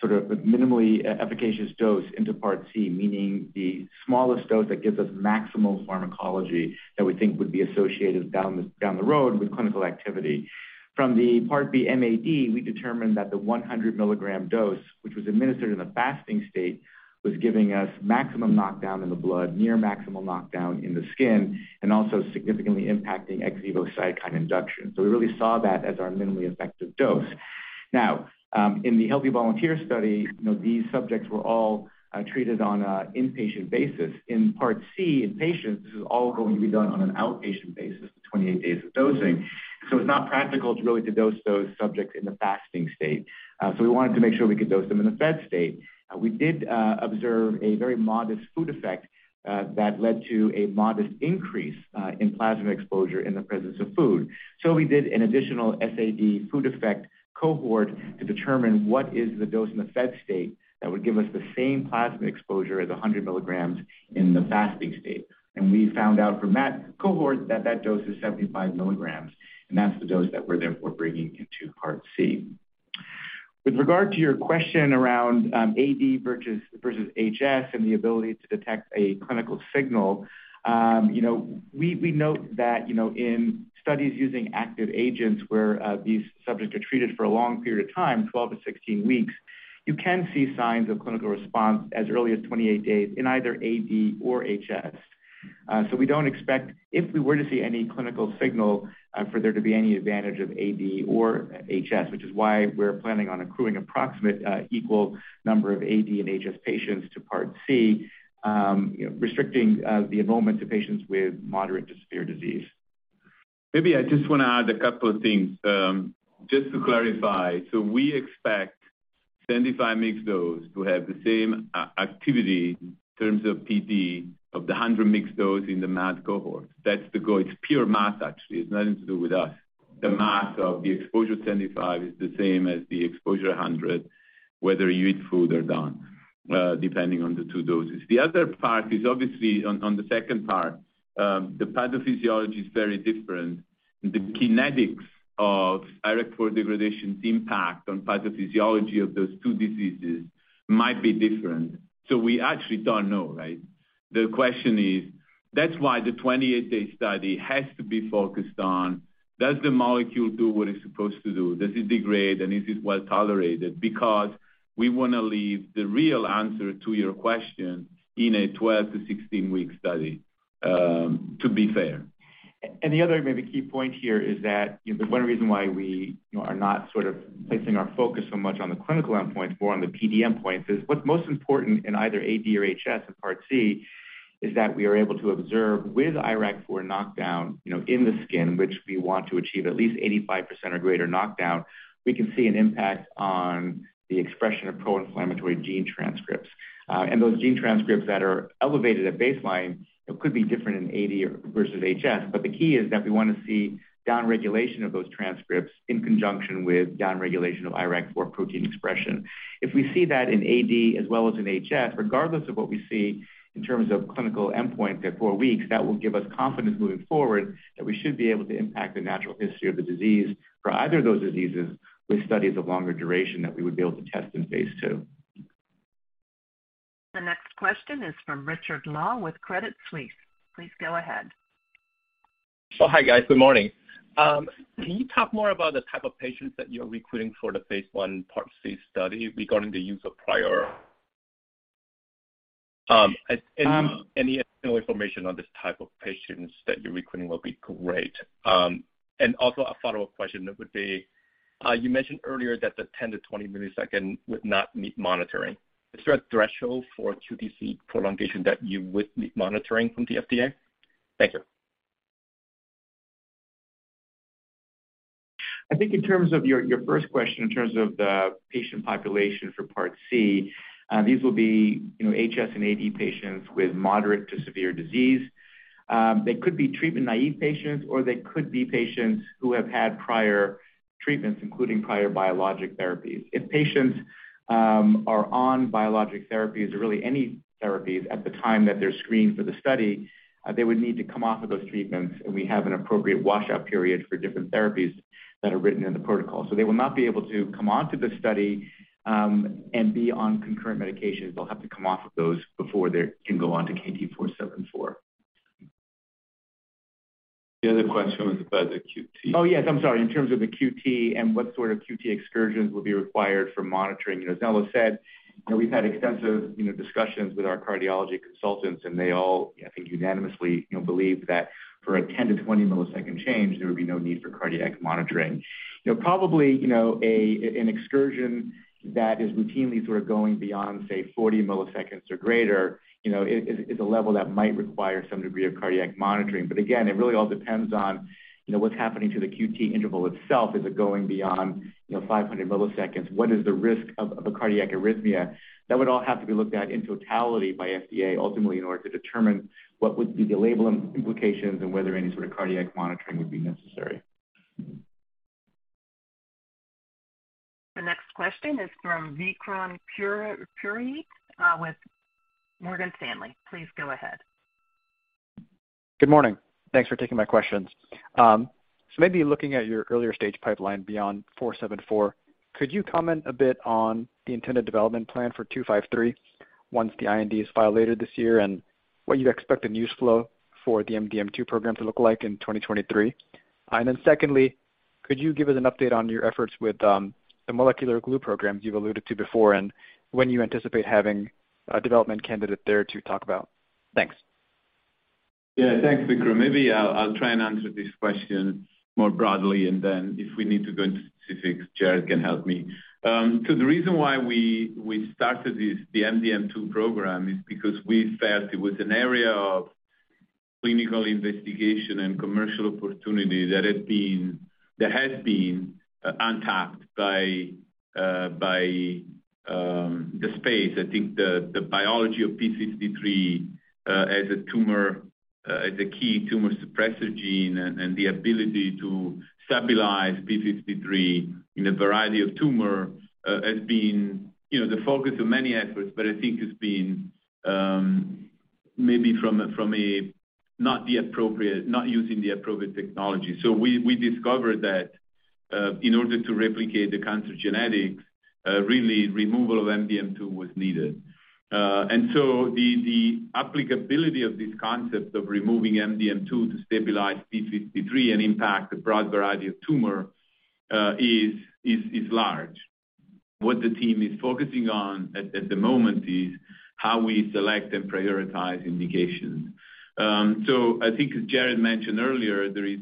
sort of minimally efficacious dose into part C. Meaning the smallest dose that gives us maximal pharmacology that we think would be associated down the road with clinical activity. From the part B MAD, we determined that the 100 mg dose, which was administered in a fasting state, was giving us maximum knockdown in the blood, near maximal knockdown in the skin, and also significantly impacting ex vivo cytokine induction. So we really saw that as our minimally effective dose. Now, in the healthy volunteer study, these subjects were all treated on an inpatient basis. In part C, in patients, this is all going to be done on an outpatient basis, the 28 days of dosing. It's not practical to really dose those subjects in a fasting state. We wanted to make sure we could dose them in a fed state. We did observe a very modest food effect that led to a modest increase in plasma exposure in the presence of food. We did an additional SAD food effect cohort to determine what is the dose in the fed state that would give us the same plasma exposure as 100 mg in the fasting state. We found out from that cohort that that dose is 75 mg, and that's the dose that we're therefore bringing into part C. With regard to your question around AD versus HS and the ability to detect a clinical signal, you know, we note that, you know, in studies using active agents where these subjects are treated for a long period of time, 12-16 weeks, you can see signs of clinical response as early as 28 days in either AD or HS. So we don't expect if we were to see any clinical signal, for there to be any advantage of AD or HS, which is why we're planning on accruing approximately equal number of AD and HS patients to Part C, you know, restricting the enrollment to patients with moderate to severe disease. Maybe I just wanna add a couple of things, just to clarify. We expect 75 mg dose to have the same activity in terms of PD of the 100 mg dose in the MAD cohort. That's the goal. It's pure math, actually. It's nothing to do with us. The mass of the exposure 25 is the same as the exposure 100, whether you eat food or don't, depending on the two doses. The other part is obviously on the second part, the pathophysiology is very different. The kinetics of IRAK4 degradation's impact on pathophysiology of those two diseases might be different. We actually don't know, right? The question is that's why the 28-day study has to be focused on does the molecule do what it's supposed to do? Does it degrade, and is it well-tolerated? Because we wanna leave the real answer to your question in a 12-16 week study, to be fair. The other maybe key point here is that, you know, the one reason why we, you know, are not sort of placing our focus so much on the clinical endpoint, more on the PK/PD points, is what's most important in either AD or HS in Part C is that we are able to observe with IRAK4 knockdown, you know, in the skin, which we want to achieve at least 85% or greater knockdown. We can see an impact on the expression of proinflammatory gene transcripts. Those gene transcripts that are elevated at baseline, you know, could be different in AD versus HS. The key is that we wanna see downregulation of those transcripts in conjunction with downregulation of IRAK4 protein expression. If we see that in AD as well as in HS, regardless of what we see in terms of clinical endpoint at 4 weeks, that will give us confidence moving forward that we should be able to impact the natural history of the disease for either of those diseases with studies of longer duration that we would be able to test in phase II. The next question is from Richard Law with Credit Suisse. Please go ahead. Good morning. Can you talk more about the type of patients that you're recruiting for the phase I Part C study regarding the use of prior? Any additional information on this type of patients that you're recruiting will be great. Also a follow-up question that would be, you mentioned earlier that the 10- to 20-millisecond would not need monitoring. Is there a threshold for QTC prolongation that you would need monitoring from the FDA? Thank you. I think in terms of your first question, in terms of the patient population for Part C, these will be, you know, HS and AD patients with moderate to severe disease. They could be treatment-naive patients, or they could be patients who have had prior treatments, including prior biologic therapies. If patients are on biologic therapies or really any therapies at the time that they're screened for the study, they would need to come off of those treatments, and we have an appropriate washout period for different therapies that are written in the protocol. They will not be able to come onto the study, and be on concurrent medications. They'll have to come off of those before they can go on to KT-474. The other question was about the QT. Oh, yes, I'm sorry. In terms of the QT and what sort of QT excursions will be required for monitoring. You know, as Nello said, you know, we've had extensive, you know, discussions with our cardiology consultants, and they all, I think, unanimously, you know, believe that for a 10- to 20-millisecond change, there would be no need for cardiac monitoring. You know, probably, you know, a, an excursion that is routinely sort of going beyond, say, 40 milliseconds or greater, you know, is a level that might require some degree of cardiac monitoring. But again, it really all depends on, you know, what's happening to the QT interval itself. Is it going beyond, you know, 500 milliseconds? What is the risk of a cardiac arrhythmia? That would all have to be looked at in totality by FDA ultimately in order to determine what would be the label implications and whether any sort of cardiac monitoring would be necessary. The next question is from Vikram Purohit with Morgan Stanley. Please go ahead. Good morning. Thanks for taking my questions. So maybe looking at your earlier stage pipeline beyond 474, could you comment a bit on the intended development plan for 253 once the IND is filed later this year and what you expect the news flow for the MDM2 program to look like in 2023? Secondly, could you give us an update on your efforts with the molecular glue programs you've alluded to before, and when you anticipate having a development candidate there to talk about? Thanks. Yeah, thanks, Vikram. Maybe I'll try and answer this question more broadly, and then if we need to go into specifics, Jared can help me. The reason why we started this, the MDM2 program is because we felt it was an area of clinical investigation and commercial opportunity that has been untapped by the space. I think the biology of p53 as a key tumor suppressor gene and the ability to stabilize p53 in a variety of tumor has been you know the focus of many efforts, but I think it's been maybe from a not using the appropriate technology. We discovered that in order to replicate the cancer genetics really removal of MDM2 was needed. The applicability of this concept of removing MDM2 to stabilize p53 and impact a broad variety of tumors is large. What the team is focusing on at the moment is how we select and prioritize indications. I think as Jared mentioned earlier, there is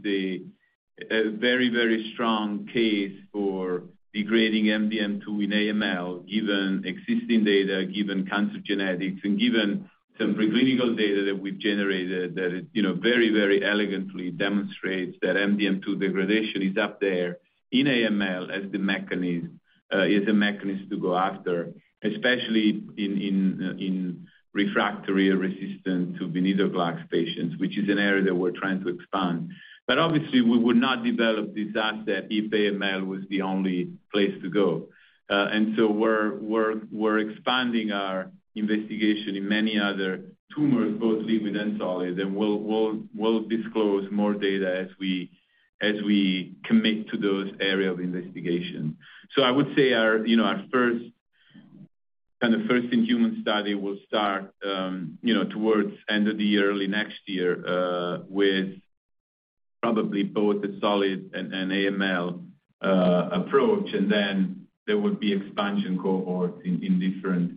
a very strong case for degrading MDM2 in AML, given existing data, given cancer genetics, and given some preclinical data that we've generated that is, you know, very elegantly demonstrates that MDM2 degradation is up there in AML as a mechanism to go after, especially in refractory or resistant to venetoclax patients, which is an area that we're trying to expand. But obviously, we would not develop this asset if AML was the only place to go. We're expanding our investigation in many other tumors, both liquid and solid, and we'll disclose more data as we commit to those areas of investigation. I would say our first-in-human study will start toward the end of the year, early next year, with probably both the solid and AML approach, and then there will be expansion cohorts in different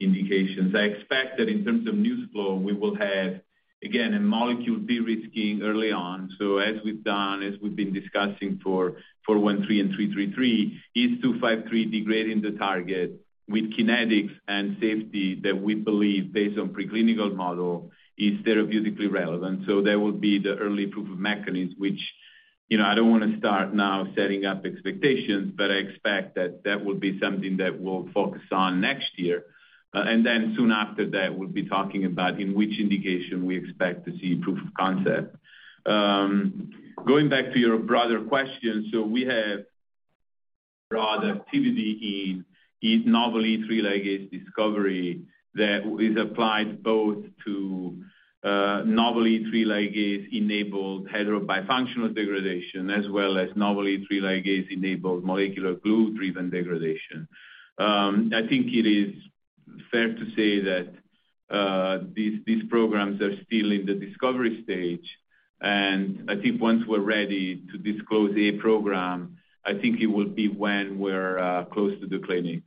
indications. I expect that in terms of news flow, we will have, again, a molecule de-risking early on. As we've done, as we've been discussing for KT-413 and KT-333, KT-253 degrading the target with kinetics and safety that we believe based on preclinical model is therapeutically relevant. That will be the early proof of mechanism which, you know, I don't wanna start now setting up expectations, but I expect that will be something that we'll focus on next year. Soon after that, we'll be talking about in which indication we expect to see proof of concept. Going back to your broader question, we have broad activity in this novel E3 ligase discovery that is applied both to novel E3 ligase-enabled heterobifunctional degradation, as well as novel E3 ligase-enabled molecular glue-driven degradation. I think it is fair to say that these programs are still in the discovery stage. I think once we're ready to disclose a program, I think it would be when we're close to the clinic.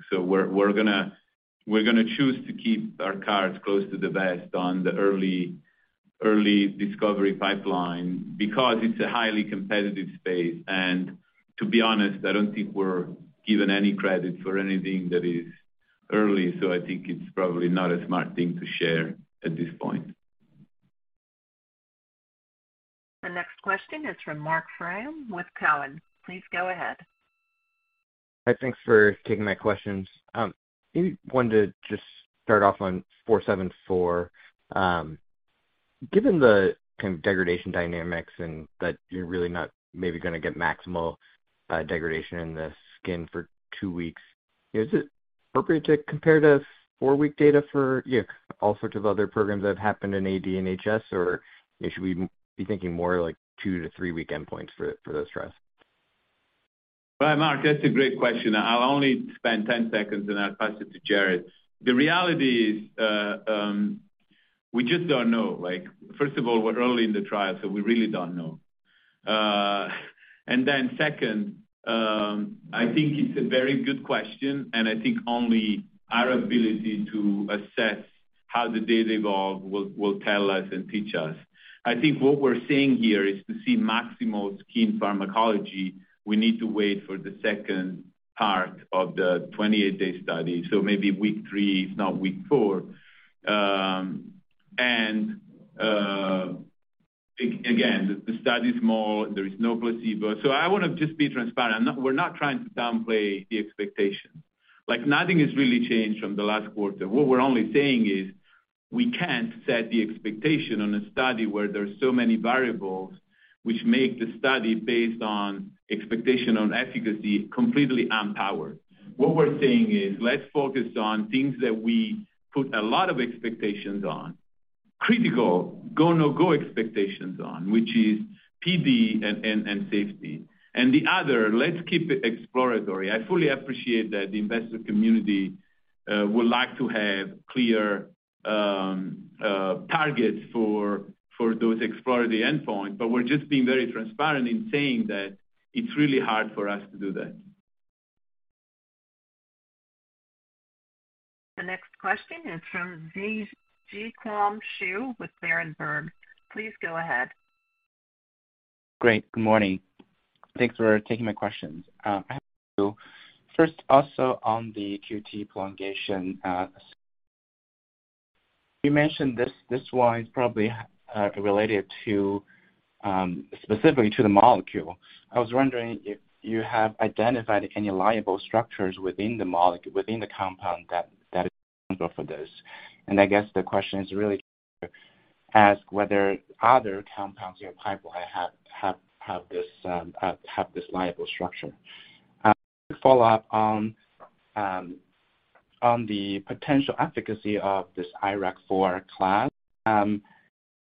We're gonna choose to keep our cards close to the vest on the early discovery pipeline because it's a highly competitive space. To be honest, I don't think we're given any credit for anything that is early, so I think it's probably not a smart thing to share at this point. The next question is from Marc Frahm with Cowen. Please go ahead. Hi. Thanks for taking my questions. Maybe wanted to just start off on 474. Given the kind of degradation dynamics and that you're really not maybe gonna get maximal degradation in the skin for 2 weeks, is it appropriate to compare the four-week data for you know all sorts of other programs that have happened in AD and HS, or should we be thinking more like two to three-week endpoints for those trials? Right, Mark, that's a great question. I'll only spend 10 seconds, and I'll pass it to Jared. The reality is, we just don't know. Like, first of all, we're early in the trial, so we really don't know. And then second, I think it's a very good question, and I think only our ability to assess how the data evolve will tell us and teach us. I think what we're saying here is to see maximal skin pharmacology, we need to wait for the second part of the 28-day study, so maybe week three, If not week four. And, the study is small. There is no placebo. So I wanna just be transparent. We're not trying to downplay the expectation. Like, nothing has really changed from the last quarter. What we're only saying is we can't set the expectation on a study where there's so many variables which make the study based on expectation on efficacy completely unpowered. What we're saying is, let's focus on things that we put a lot of expectations on, critical go/no-go expectations on, which is PD and safety. The other, let's keep it exploratory. I fully appreciate that the investor community would like to have clear targets for those exploratory endpoints, but we're just being very transparent in saying that it's really hard for us to do that. The next question is from Zhiqiang Shu with Berenberg. Please go ahead. Great. Good morning. Thanks for taking my questions. First also on the QT prolongation, you mentioned this one is probably related to specifically to the molecule. I was wondering if you have identified any labile structures within the molecule, within the compound that is responsible for this. I guess the question is really to ask whether other compounds in your pipeline have this labile structure. To follow up on the potential efficacy of this IRAK4 class, can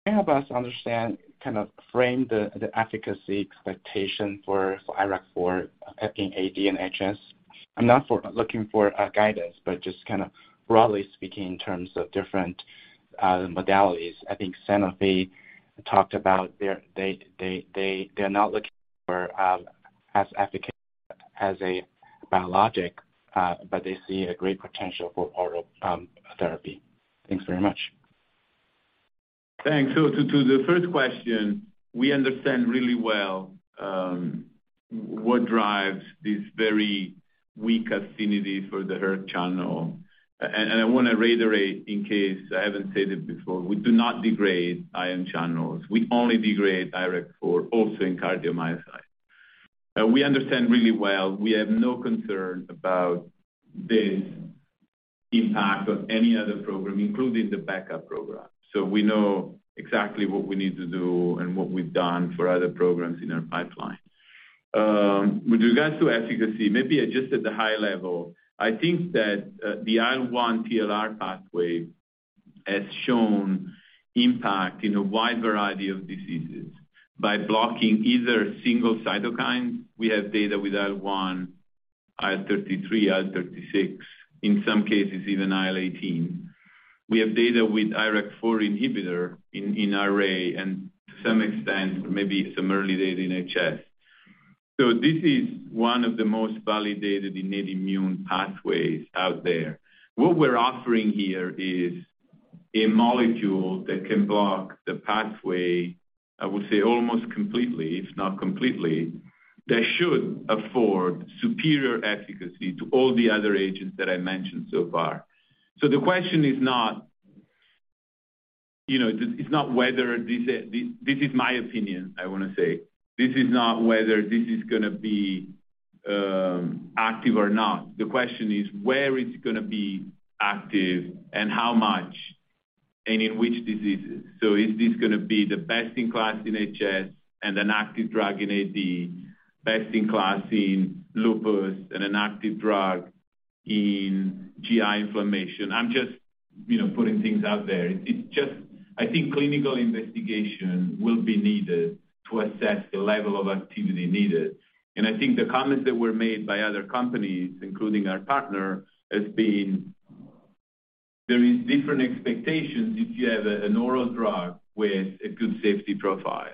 you help us understand, kind of frame the efficacy expectation for IRAK4 in AD and HS? I'm not looking for guidance, but just kinda broadly speaking in terms of different modalities. I think Sanofi talked about their, they're not looking for as efficacy as a biologic, but they see a great potential for oral therapy. Thanks very much. Thanks. To the first question, we understand really well what drives this very weak affinity for the hERG channel. And I wanna reiterate in case I haven't said it before, we do not degrade ion channels. We only degrade IRAK4 in cardiomyocytes. We understand really well. We have no concern about this impact on any other program, including the backup program. We know exactly what we need to do and what we've done for other programs in our pipeline. With regards to efficacy, maybe just at the high level, I think that the IL-1 TLR pathway has shown impact in a wide variety of diseases by blocking either single cytokine. We have data with IL-1, IL-33, IL-36, in some cases, even IL-18. We have data with IRAK4 inhibitor in RA, and to some extent, maybe some early data in HS. This is one of the most validated innate immune pathways out there. What we're offering here is a molecule that can block the pathway, I would say almost completely, if not completely, that should afford superior efficacy to all the other agents that I mentioned so far. The question is not, you know, it's not whether this is my opinion, I wanna say. This is not whether this is gonna be active or not. The question is, where is it gonna be active and how much, and in which diseases? Is this gonna be the best in class in HS and an active drug in AD, best in class in lupus and an active drug in GI inflammation? I'm just, you know, putting things out there. It's just, I think clinical investigation will be needed to assess the level of activity needed. I think the comments that were made by other companies, including our partner, has been there is different expectations if you have an oral drug with a good safety profile.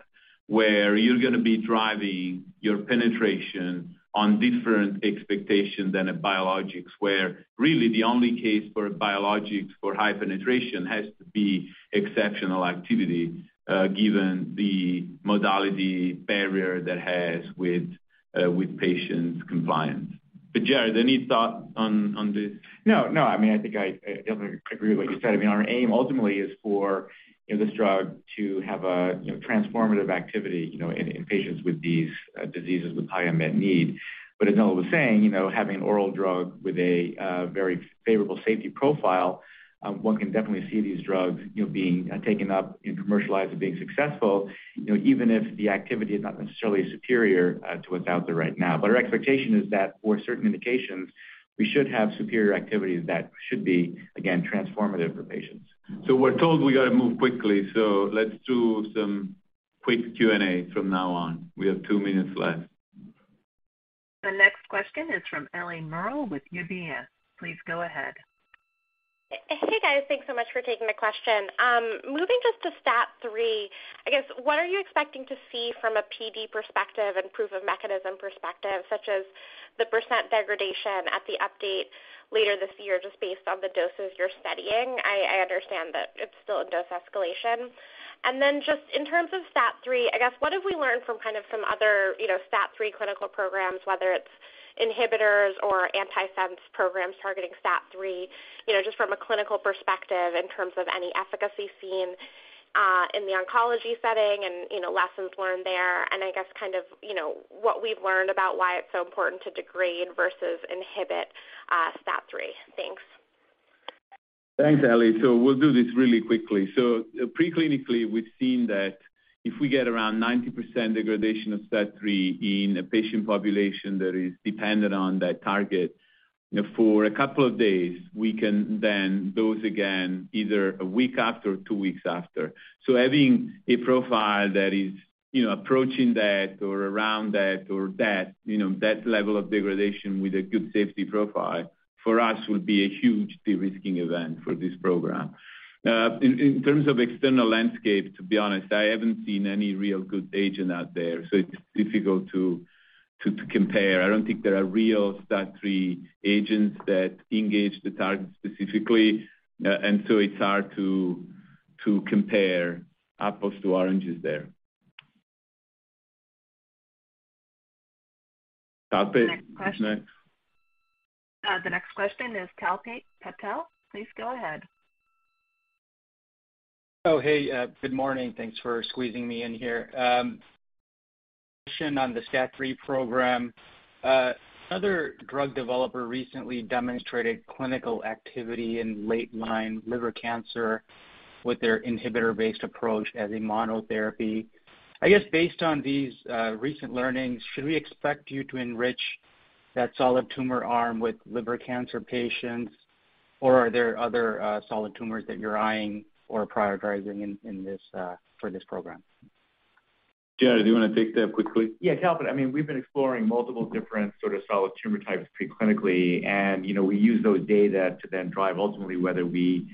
Where you're gonna be driving your penetration on different expectations than a biologics, where really the only case for biologics for high penetration has to be exceptional activity, given the modality barrier that has with with patients' compliance. Jared, any thought on this? No, no. I mean, I think I definitely agree with what you said. I mean, our aim ultimately is for, you know, this drug to have a, you know, transformative activity, you know, in patients with these diseases with high unmet need. But as Noah was saying, you know, having an oral drug with a very favorable safety profile, one can definitely see these drugs, you know, being taken up and commercialized and being successful, you know, even if the activity is not necessarily superior to what's out there right now. But our expectation is that for certain indications, we should have superior activity that should be, again, transformative for patients. We're told we gotta move quickly. Let's do some quick Q&A from now on. We have 2 minutes left. The next question is from Ellie Merle with UBS. Please go ahead. Hey, guys. Thanks so much for taking the question. Moving just to STAT3, I guess, what are you expecting to see from a PD perspective and proof of mechanism perspective, such as the % degradation at the update later this year, just based on the doses you're studying? I understand that it's still in dose escalation. Then just in terms of STAT3, I guess, what have we learned from kind of some other, you know, STAT3 clinical programs, whether it's inhibitors or antisense programs targeting STAT3, you know, just from a clinical perspective in terms of any efficacy seen, in the oncology setting and, you know, lessons learned there. I guess kind of, you know, what we've learned about why it's so important to degrade versus inhibit, STAT3. Thanks. Thanks, Ellie. We'll do this really quickly. Preclinically, we've seen that if we get around 90% degradation of STAT3 in a patient population that is dependent on that target, you know, for a couple of days, we can then dose again either a week after or two weeks after. Having a profile that is, you know, approaching that or around that or that, you know, that level of degradation with a good safety profile, for us would be a huge de-risking event for this program. In terms of external landscape, to be honest, I haven't seen any real good agent out there, so it's difficult to compare. I don't think there are real STAT3 agents that engage the target specifically, and so it's hard to compare apples to oranges there. Kalpit- Next question. Who's next? The next question is Kalpit Patel. Please go ahead. Oh, hey, good morning. Thanks for squeezing me in here. Yeah. On the STAT3 program. Another drug developer recently demonstrated clinical activity in late-line liver cancer with their inhibitor-based approach as a monotherapy. I guess based on these recent learnings, should we expect you to enrich that solid tumor arm with liver cancer patients, or are there other solid tumors that you're eyeing or prioritizing in this for this program? Jared, do you wanna take that quickly? Yeah, Kalpit. I mean, we've been exploring multiple different sort of solid tumor types preclinically, and, you know, we use those data to then drive ultimately whether we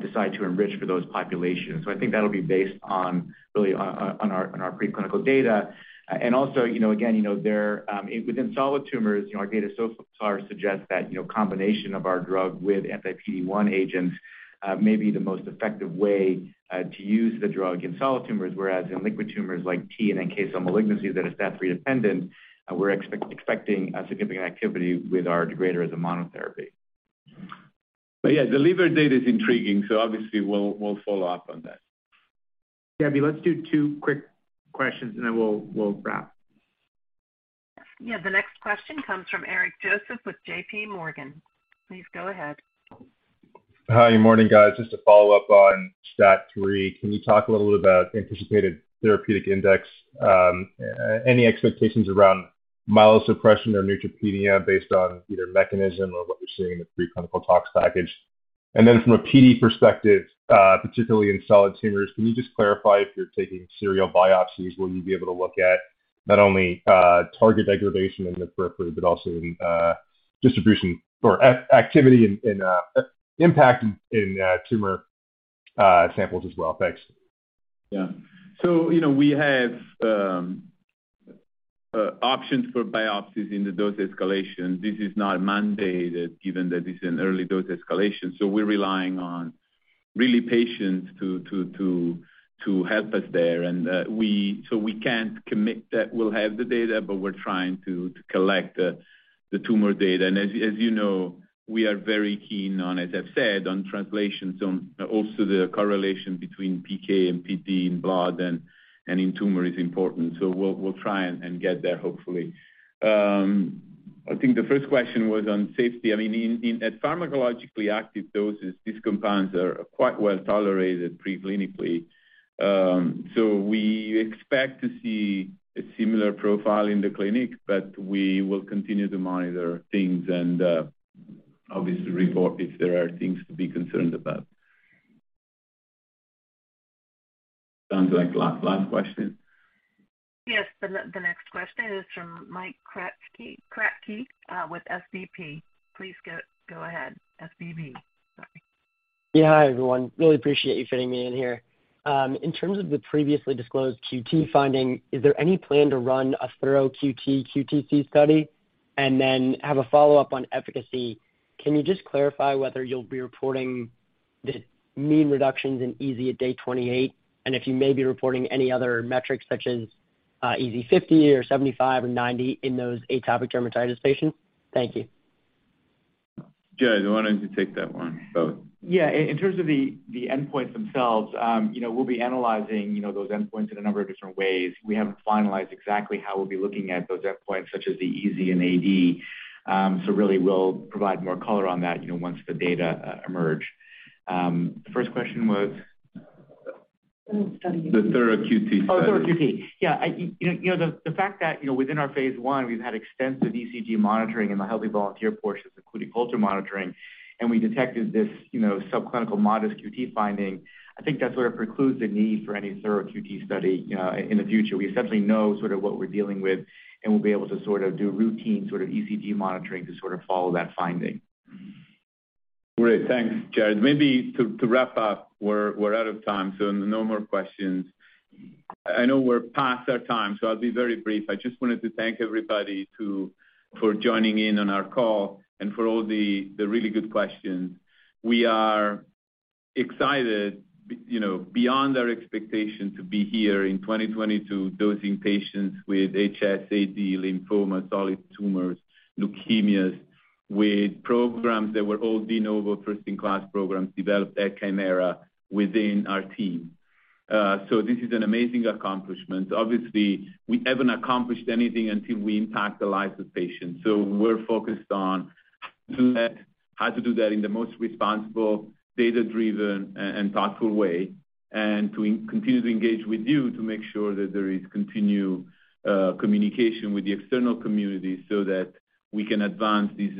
decide to enrich for those populations. So I think that'll be based on really on our preclinical data. And also, you know, again, you know, within solid tumors, you know, our data so far suggests that, you know, combination of our drug with anti-PD-1 agents may be the most effective way to use the drug in solid tumors, whereas in liquid tumors like T and NK cell malignancies that are STAT3 dependent, we're expecting a significant activity with our degrader as a monotherapy. Yeah, the liver data is intriguing, so obviously we'll follow up on that. Debbie, let's do two quick questions, and then we'll wrap. Yeah. The next question comes from Eric Joseph with JPMorgan. Please go ahead. Hi. Good morning, guys. Just to follow up on STAT3, can you talk a little bit about anticipated therapeutic index? Any expectations around myelosuppression or neutropenia based on either mechanism or what you're seeing in the preclinical data package? From a PD perspective, particularly in solid tumors, can you just clarify if you're taking serial biopsies, will you be able to look at not only target degradation in the periphery, but also distribution or activity and impact in tumor samples as well? Thanks. You know, we have options for biopsies in the dose escalation. This is not mandated given that it's an early dose escalation, so we're relying on real patients to help us there. We can't commit that we'll have the data, but we're trying to collect the tumor data. As you know, we are very keen on, as I've said, translational, also the correlation between PK and PD in blood and in tumor is important. We'll try and get there, hopefully. I think the first question was on safety. I mean, at pharmacologically active doses, these compounds are quite well tolerated preclinically. We expect to see a similar profile in the clinic, but we will continue to monitor things and obviously report if there are things to be concerned about. Sounds like last question. Yes. The next question is from Mike Kratky with SVB. Please go ahead. Yeah. Hi, everyone. Really appreciate you fitting me in here. In terms of the previously disclosed QT finding, is there any plan to run a thorough QT, QTC study? I have a follow-up on efficacy. Can you just clarify whether you'll be reporting the mean reductions in EASI at day 28? And if you may be reporting any other metrics such as, EASI 50 or 75 or 90 in those atopic dermatitis patients? Thank you. Jared, why don't you take that one? Go. Yeah. In terms of the endpoints themselves, you know, we'll be analyzing, you know, those endpoints in a number of different ways. We haven't finalized exactly how we'll be looking at those endpoints such as the EASI and AD. Really we'll provide more color on that, you know, once the data emerge. First question was? The study. The thorough QT study. Oh, thorough QT. Yeah. I, you know, the fact that, you know, within our phase I we've had extensive ECG monitoring in the healthy volunteer portions, including Holter monitoring, and we detected this, you know, subclinical modest QT finding. I think that sort of precludes the need for any thorough QT study in the future. We essentially know sort of what we're dealing with, and we'll be able to sort of do routine sort of ECG monitoring to sort of follow that finding. Great. Thanks, Jared. Maybe to wrap up, we're out of time, so no more questions. I know we're past our time, so I'll be very brief. I just wanted to thank everybody for joining in on our call and for all the really good questions. We are excited, you know, beyond our expectation to be here in 2022 dosing patients with HS, AD, lymphoma, solid tumors, leukemias, with programs that were all de novo first-in-class programs developed at Kymera within our team. This is an amazing accomplishment. Obviously, we haven't accomplished anything until we impact the lives of patients. We're focused on how to do that in the most responsible, data-driven, and thoughtful way, and to continue to engage with you to make sure that there is continued communication with the external community so that we can advance these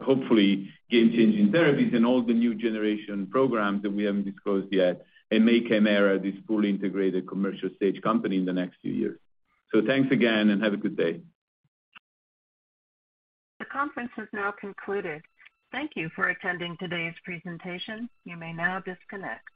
hopefully game-changing therapies and all the new generation programs that we haven't discussed yet and make Kymera this fully integrated commercial stage company in the next few years. Thanks again, and have a good day. The conference has now concluded. Thank you for attending today's presentation. You may now disconnect.